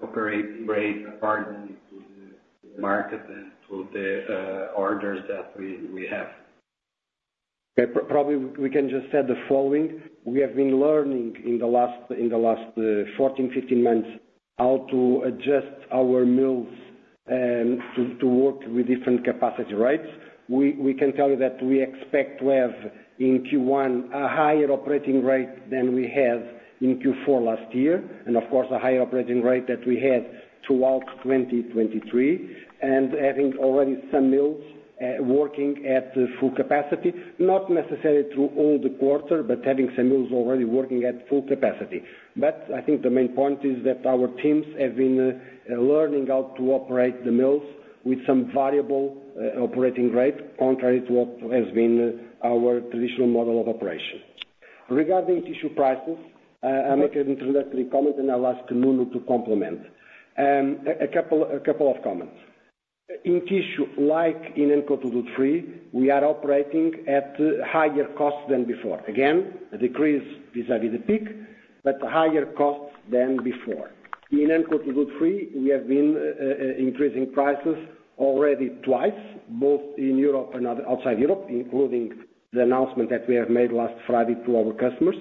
operating rate according to the market and to the orders that we have. Okay. Probably, we can just add the following: We have been learning in the last 14, 15 months, how to adjust our mills to work with different capacity rates. We can tell you that we expect to have, in Q1, a higher operating rate than we had in Q4 last year, and of course, a higher operating rate than we had throughout 2023. And having already some mills working at full capacity, not necessarily through all the quarter, but having some mills already working at full capacity. But I think the main point is that our teams have been learning how to operate the mills with some variable operating rate, contrary to what has been our traditional model of operation. Regarding tissue prices, I'll make an introductory comment, and I'll ask Nuno to complement. A couple of comments. In tissue, like in coated woodfree, we are operating at higher costs than before. Again, a decrease vis-à-vis the peak, but higher costs than before. In coated woodfree, we have been increasing prices already twice, both in Europe and outside Europe, including the announcement that we have made last Friday to our customers.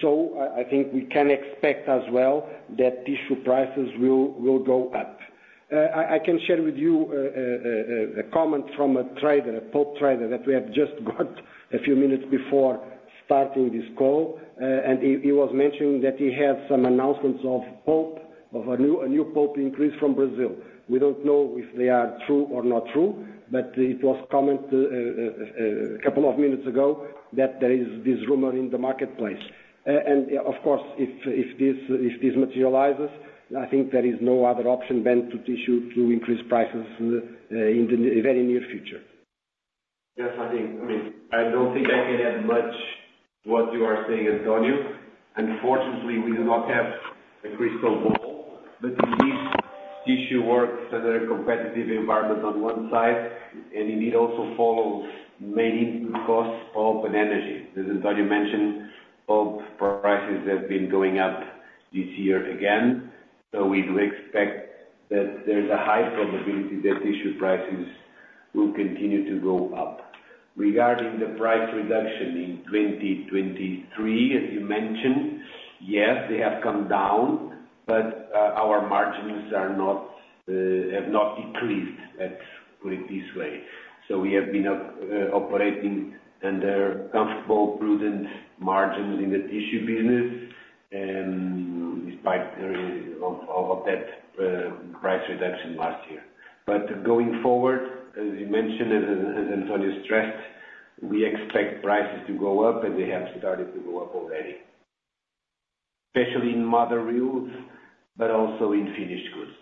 So I think we can expect as well that tissue prices will go up. I can share with you a comment from a trader, a pulp trader, that we have just got a few minutes before starting this call. And he was mentioning that he had some announcements of pulp, of a new pulp increase from Brazil. We don't know if they are true or not true, but it was a comment a couple of minutes ago that there is this rumor in the marketplace. Of course, if this materializes, I think there is no other option than to tissue to increase prices in the very near future. Yes, I think, I mean, I don't think I can add much to what you are saying, António. Unfortunately, we do not have a crystal ball, but indeed, tissue works under a competitive environment on one side, and indeed also follows mainly costs of own energy. As António mentioned, pulp prices have been going up this year again, so we do expect that there's a high probability that tissue prices will continue to go up. Regarding the price reduction in 2023, as you mentioned, yes, they have come down, but our margins have not decreased, let's put it this way. So we have been operating under comfortable, prudent margins in the tissue business, despite that price reduction last year. But going forward, as you mentioned and António stressed, we expect prices to go up, and they have started to go up already.... especially in mother reels, but also in finished goods.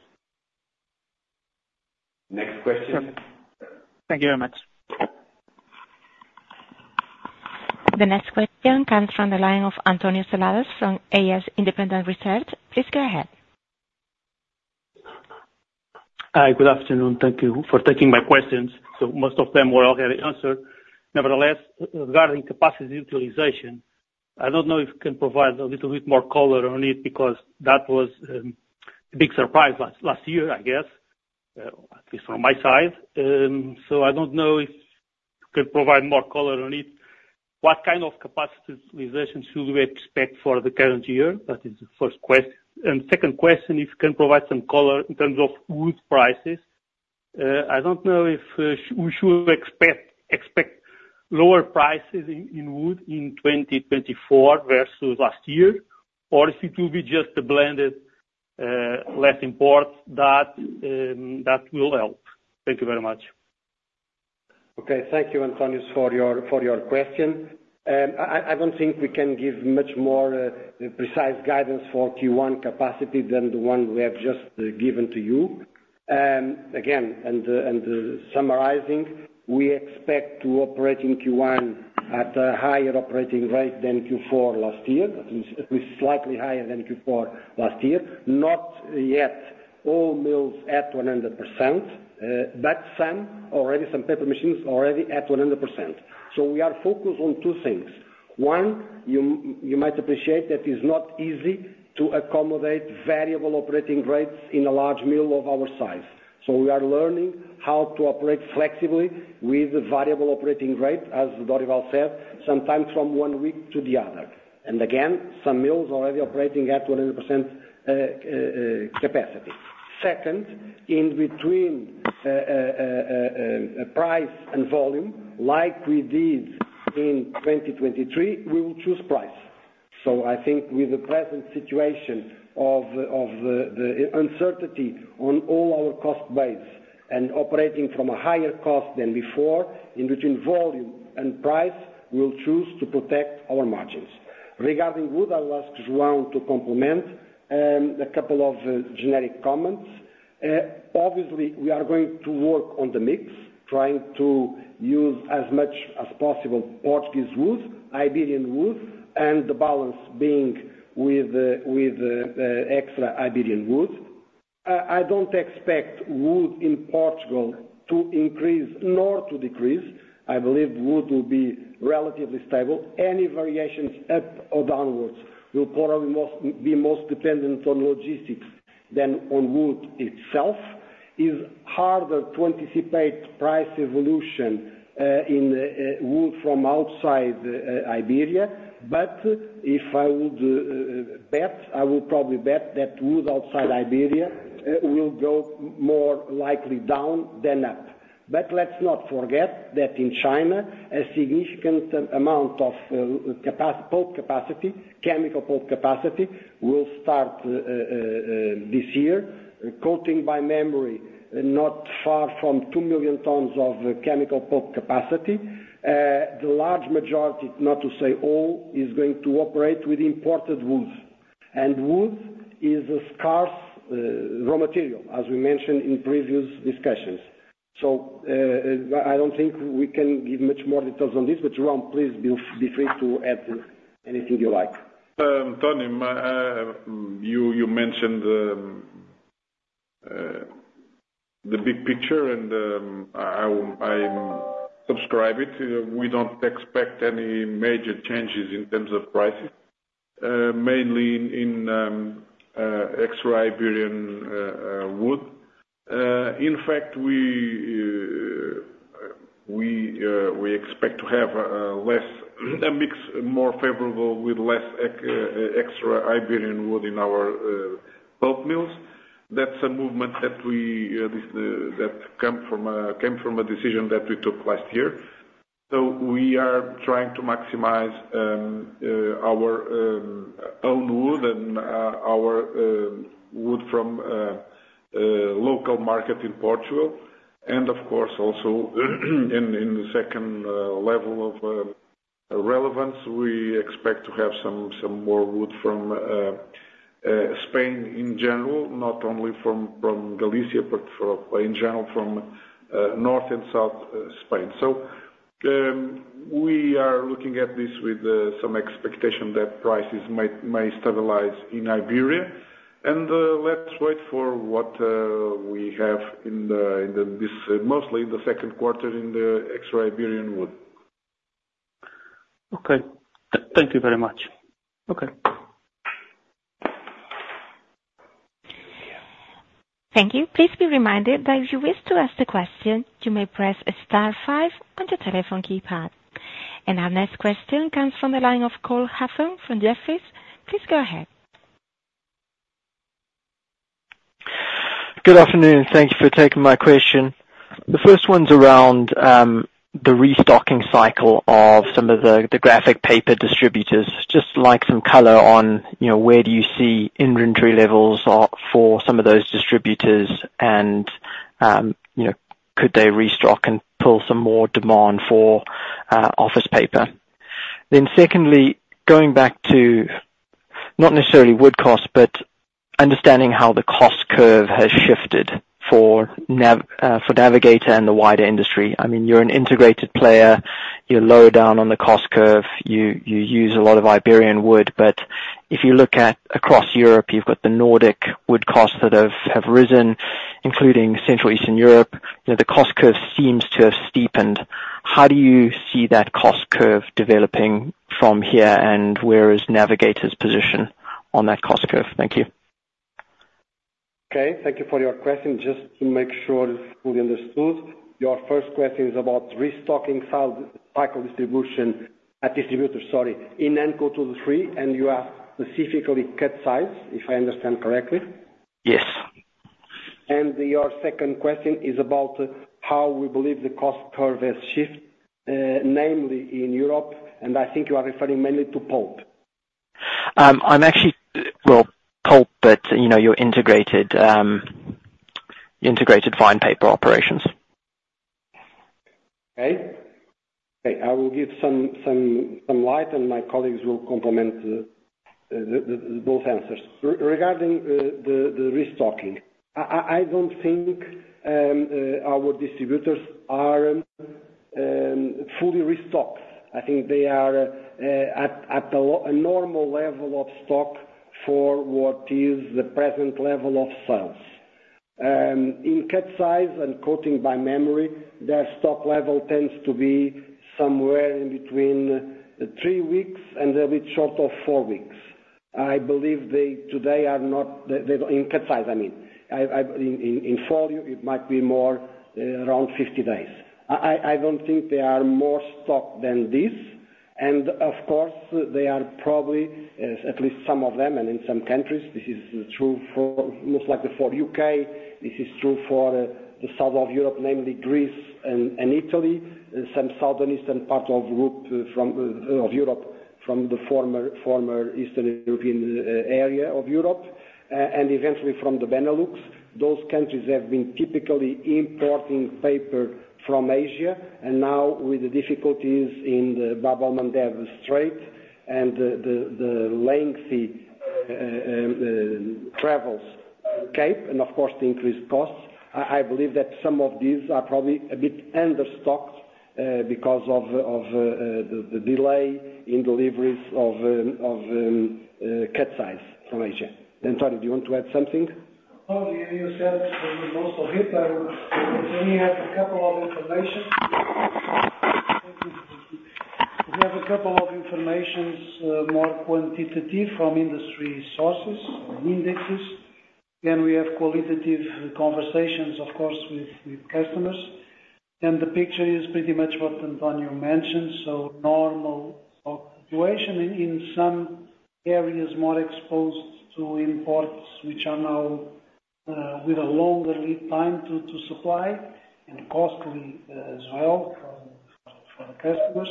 Next question? Thank you very much. The next question comes from the line of António Seladas from AS Independent Research. Please go ahead. Hi, good afternoon. Thank you for taking my questions. So most of them were already answered. Nevertheless, regarding capacity utilization, I don't know if you can provide a little bit more color on it, because that was a big surprise last year, I guess, at least from my side. So I don't know if you could provide more color on it. What kind of capacity utilization should we expect for the current year? That is the first question. And second question, if you can provide some color in terms of wood prices. I don't know if we should expect lower prices in wood in 2024 versus last year, or if it will be just a blended, less important that will help. Thank you very much. Okay. Thank you, António, for your question. I don't think we can give much more precise guidance for Q1 capacity than the one we have just given to you. Again, summarizing, we expect to operate in Q1 at a higher operating rate than Q4 last year, at least slightly higher than Q4 last year. Not yet all mills at 100%, but some already some paper machines already at 100%. So we are focused on two things. One, you might appreciate that it's not easy to accommodate variable operating rates in a large mill of our size. So we are learning how to operate flexibly with variable operating rate, as Dorival said, sometimes from one week to the other, and again, some mills already operating at 100% capacity. Second, in between price and volume, like we did in 2023, we will choose price. So I think with the present situation of the uncertainty on all our cost base and operating from a higher cost than before, in between volume and price, we'll choose to protect our margins. Regarding wood, I'll ask João to complement a couple of generic comments. Obviously, we are going to work on the mix, trying to use as much as possible Portuguese wood, Iberian wood, and the balance being with extra Iberian wood. I don't expect wood in Portugal to increase nor to decrease. I believe wood will be relatively stable. Any variations up or downwards will probably be most dependent on logistics than on wood itself. It's harder to anticipate price evolution in wood from outside Iberia, but if I would bet, I would probably bet that wood outside Iberia will go more likely down than up. But let's not forget that in China, a significant amount of pulp capacity, chemical pulp capacity, will start this year. Quoting by memory, not far from 2 million tons of chemical pulp capacity. The large majority, not to say all, is going to operate with imported wood, and wood is a scarce raw material, as we mentioned in previous discussions. So, I don't think we can give much more details on this, but João, please feel free to add anything you like. Tony, you mentioned the big picture, and I subscribe to it. We don't expect any major changes in terms of pricing, mainly in extra-Iberian wood. In fact, we expect to have less a mix more favorable with less extra-Iberian wood in our pulp mills. That's a movement that came from a decision that we took last year. So we are trying to maximize our own wood and our wood from local market in Portugal. Of course, also, in the second level of relevance, we expect to have some more wood from Spain in general, not only from Galicia, but in general, from North and South Spain. So, we are looking at this with some expectation that prices might stabilize in Iberia, and let's wait for what we have in this, mostly in the second quarter in the extra Iberian wood. Okay. Thank you very much. Okay. Thank you. Please be reminded that if you wish to ask a question, you may press star five on your telephone keypad. And our next question comes from the line of Cole Hathorn from Jefferies. Please go ahead. Good afternoon, thank you for taking my question. The first one's around the restocking cycle of some of the, the graphic paper distributors. Just like some color on, you know, where do you see inventory levels are for some of those distributors, and you know, could they restock and pull some more demand for office paper? Then secondly, going back to not necessarily wood cost, but understanding how the cost curve has shifted for Navigator and the wider industry. I mean, you're an integrated player, you're lower down on the cost curve, you use a lot of Iberian wood. But if you look at across Europe, you've got the Nordic wood costs that have risen, including Central Eastern Europe, you know, the cost curve seems to have steepened. How do you see that cost curve developing from here, and where is Navigator's position on that cost curve? Thank you. Okay, thank you for your question. Just to make sure it's fully understood, your first question is about restocking cycle distribution, distributors, sorry, in NCO two to three, and you ask specifically cut size, if I understand correctly? Yes. Your second question is about how we believe the cost curve has shifted, namely in Europe, and I think you are referring mainly to pulp. I'm actually, well, pulp, but you know, your integrated fine paper operations. Okay. I will give some light, and my colleagues will complement the both answers. Regarding the restocking. I don't think our distributors are fully restocked. I think they are at a normal level of stock for what is the present level of sales. In cut size, and quoting by memory, their stock level tends to be somewhere in between three weeks and a bit short of four weeks. I believe they today are not. In cut size, I mean. In folio, it might be more around 50 days. I don't think they are more stocked than this, and of course, they are probably, at least some of them, and in some countries, this is true, most likely for the UK, this is true for the south of Europe, namely Greece and Italy, and some southeastern part or from of Europe, from the former Eastern European area of Europe, and eventually from the Benelux. Those countries have been typically importing paper from Asia, and now with the difficulties in the Bab el-Mandeb Strait and the lengthy travels Cape, and of course, the increased costs, I believe that some of these are probably a bit understocked because of the delay in deliveries of cut size from Asia. António, do you want to add something? Oh, you, you said most of it. We have a couple of information. We have a couple of informations, more quantitative from industry sources and indexes, then we have qualitative conversations, of course, with customers. And the picture is pretty much what António mentioned, so normal situation in some areas more exposed to imports, which are now with a longer lead time to supply and costly as well for the customers.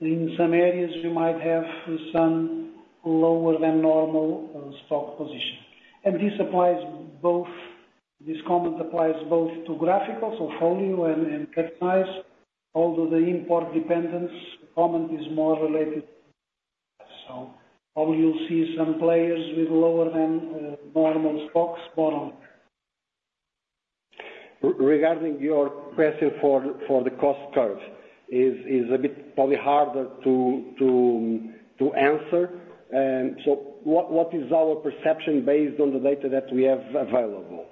In some areas, we might have some lower than normal stock position, and this applies both, this comment applies both to graphical, so folio and cut size. Although the import dependence comment is more related. So probably you'll see some players with lower than normal stocks, bottom. Regarding your question for the cost curve is a bit probably harder to answer. And so what is our perception based on the data that we have available?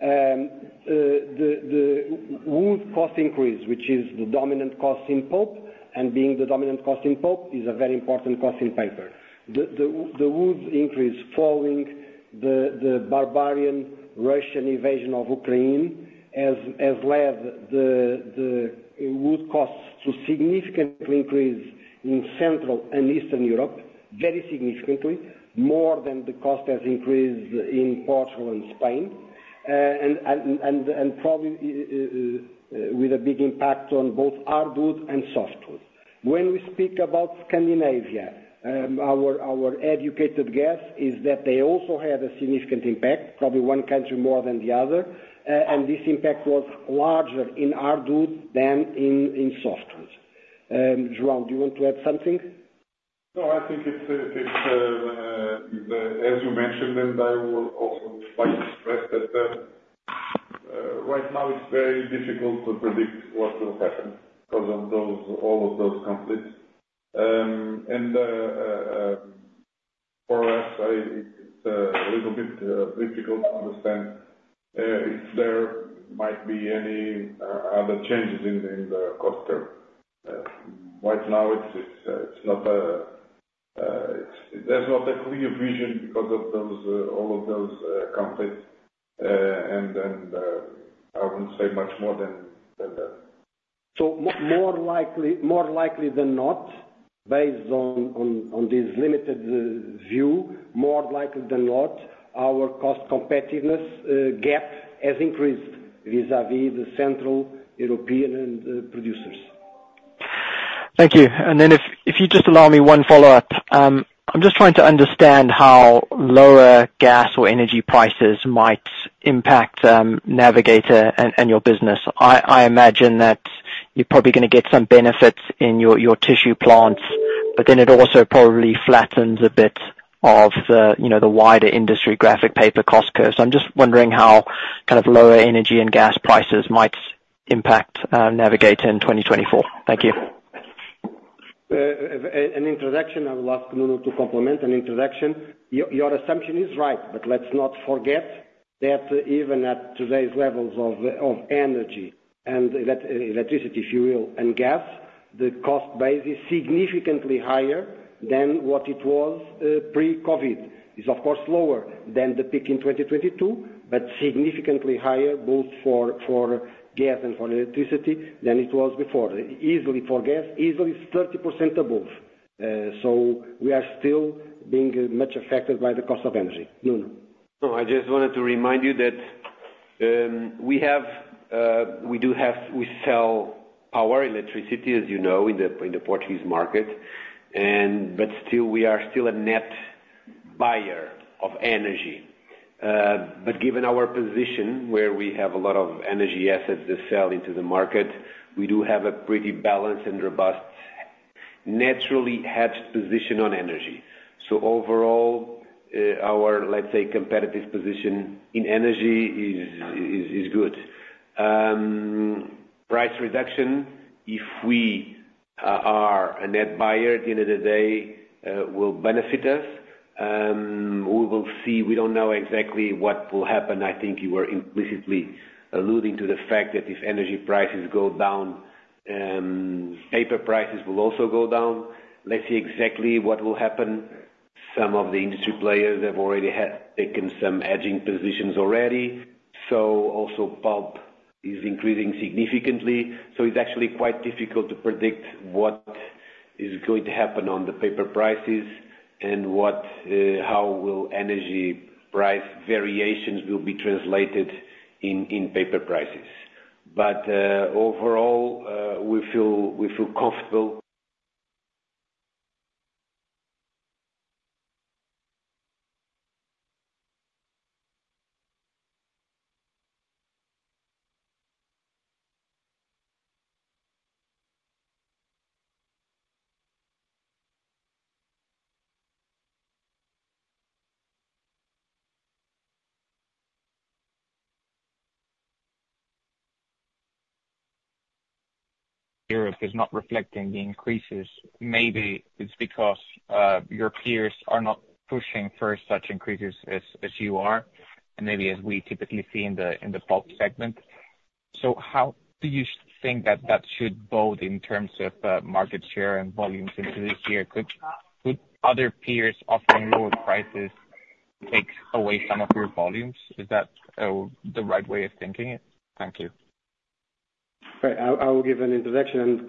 The wood cost increase, which is the dominant cost in pulp, and being the dominant cost in pulp, is a very important cost in paper. The wood increase following the barbarian Russian invasion of Ukraine has led the wood costs to significantly increase in Central and Eastern Europe, very significantly, more than the cost has increased in Portugal and Spain, and probably with a big impact on both hardwood and softwood. When we speak about Scandinavia, our educated guess is that they also had a significant impact, probably one country more than the other, and this impact was larger in hardwood than in softwoods. João, do you want to add something? No, I think it's as you mentioned, and I will also quite express that right now it's very difficult to predict what will happen because of all of those conflicts. For us, it's a little bit difficult to understand if there might be any other changes in the cost curve. Right now, there's not a clear vision because of all of those conflicts. And I wouldn't say much more than that. So more likely, more likely than not, based on this limited view, more likely than not, our cost competitiveness gap has increased vis-à-vis the Central European producers.... Thank you. And then if you just allow me one follow-up, I'm just trying to understand how lower gas or energy prices might impact Navigator and your business. I imagine that you're probably gonna get some benefits in your tissue plants, but then it also probably flattens a bit of the, you know, the wider industry graphic paper cost curve. So I'm just wondering how kind of lower energy and gas prices might impact Navigator in 2024. Thank you. As an introduction, I will ask Nuno to complement an introduction. Your assumption is right, but let's not forget that even at today's levels of energy and electricity, fuel, and gas, the cost base is significantly higher than what it was pre-COVID. It's of course lower than the peak in 2022, but significantly higher both for gas and for electricity than it was before. Easily for gas, easily 30% above. So we are still being much affected by the cost of energy. Nuno? No, I just wanted to remind you that, we have, we do have we sell our electricity, as you know, in the, in the Portuguese market, and but still, we are still a net buyer of energy. But given our position, where we have a lot of energy assets that sell into the market, we do have a pretty balanced and robust, naturally hedged position on energy. So overall, our, let's say, competitive position in energy is good. Price reduction, if we are a net buyer, at the end of the day, will benefit us. We will see. We don't know exactly what will happen. I think you were implicitly alluding to the fact that if energy prices go down, paper prices will also go down. Let's see exactly what will happen. Some of the industry players have already had, taken some hedging positions already. So also, pulp is increasing significantly, so it's actually quite difficult to predict what is going to happen on the paper prices and what, how will energy price variations will be translated in, in paper prices. But, overall, we feel, we feel comfortable. Europe is not reflecting the increases. Maybe it's because your peers are not pushing for such increases as you are, and maybe as we typically see in the pulp segment. So how do you think that that should bode in terms of market share and volumes into this year? Could other peers offering lower prices take away some of your volumes? Is that the right way of thinking it? Thank you. Right. I will give an introduction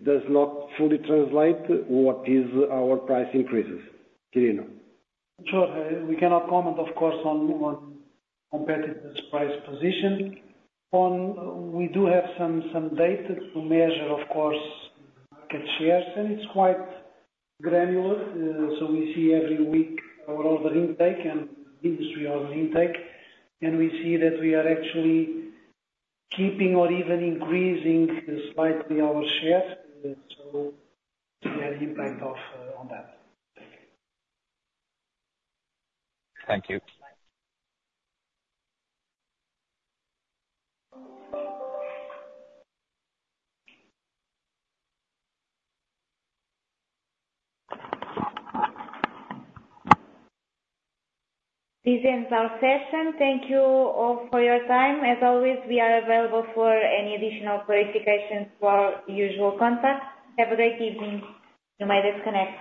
and keep-... Does not fully translate what is our price increases. Quirino? Sure. We cannot comment, of course, on competitors' price position. We do have some data to measure, of course, market shares, and it's quite granular. So we see every week our order intake and industry order intake, and we see that we are actually keeping or even increasing slightly our shares, so we have impact of on that. Thank you. Thank you. This ends our session. Thank you all for your time. As always, we are available for any additional clarifications for our usual contacts. Have a great evening. You may disconnect.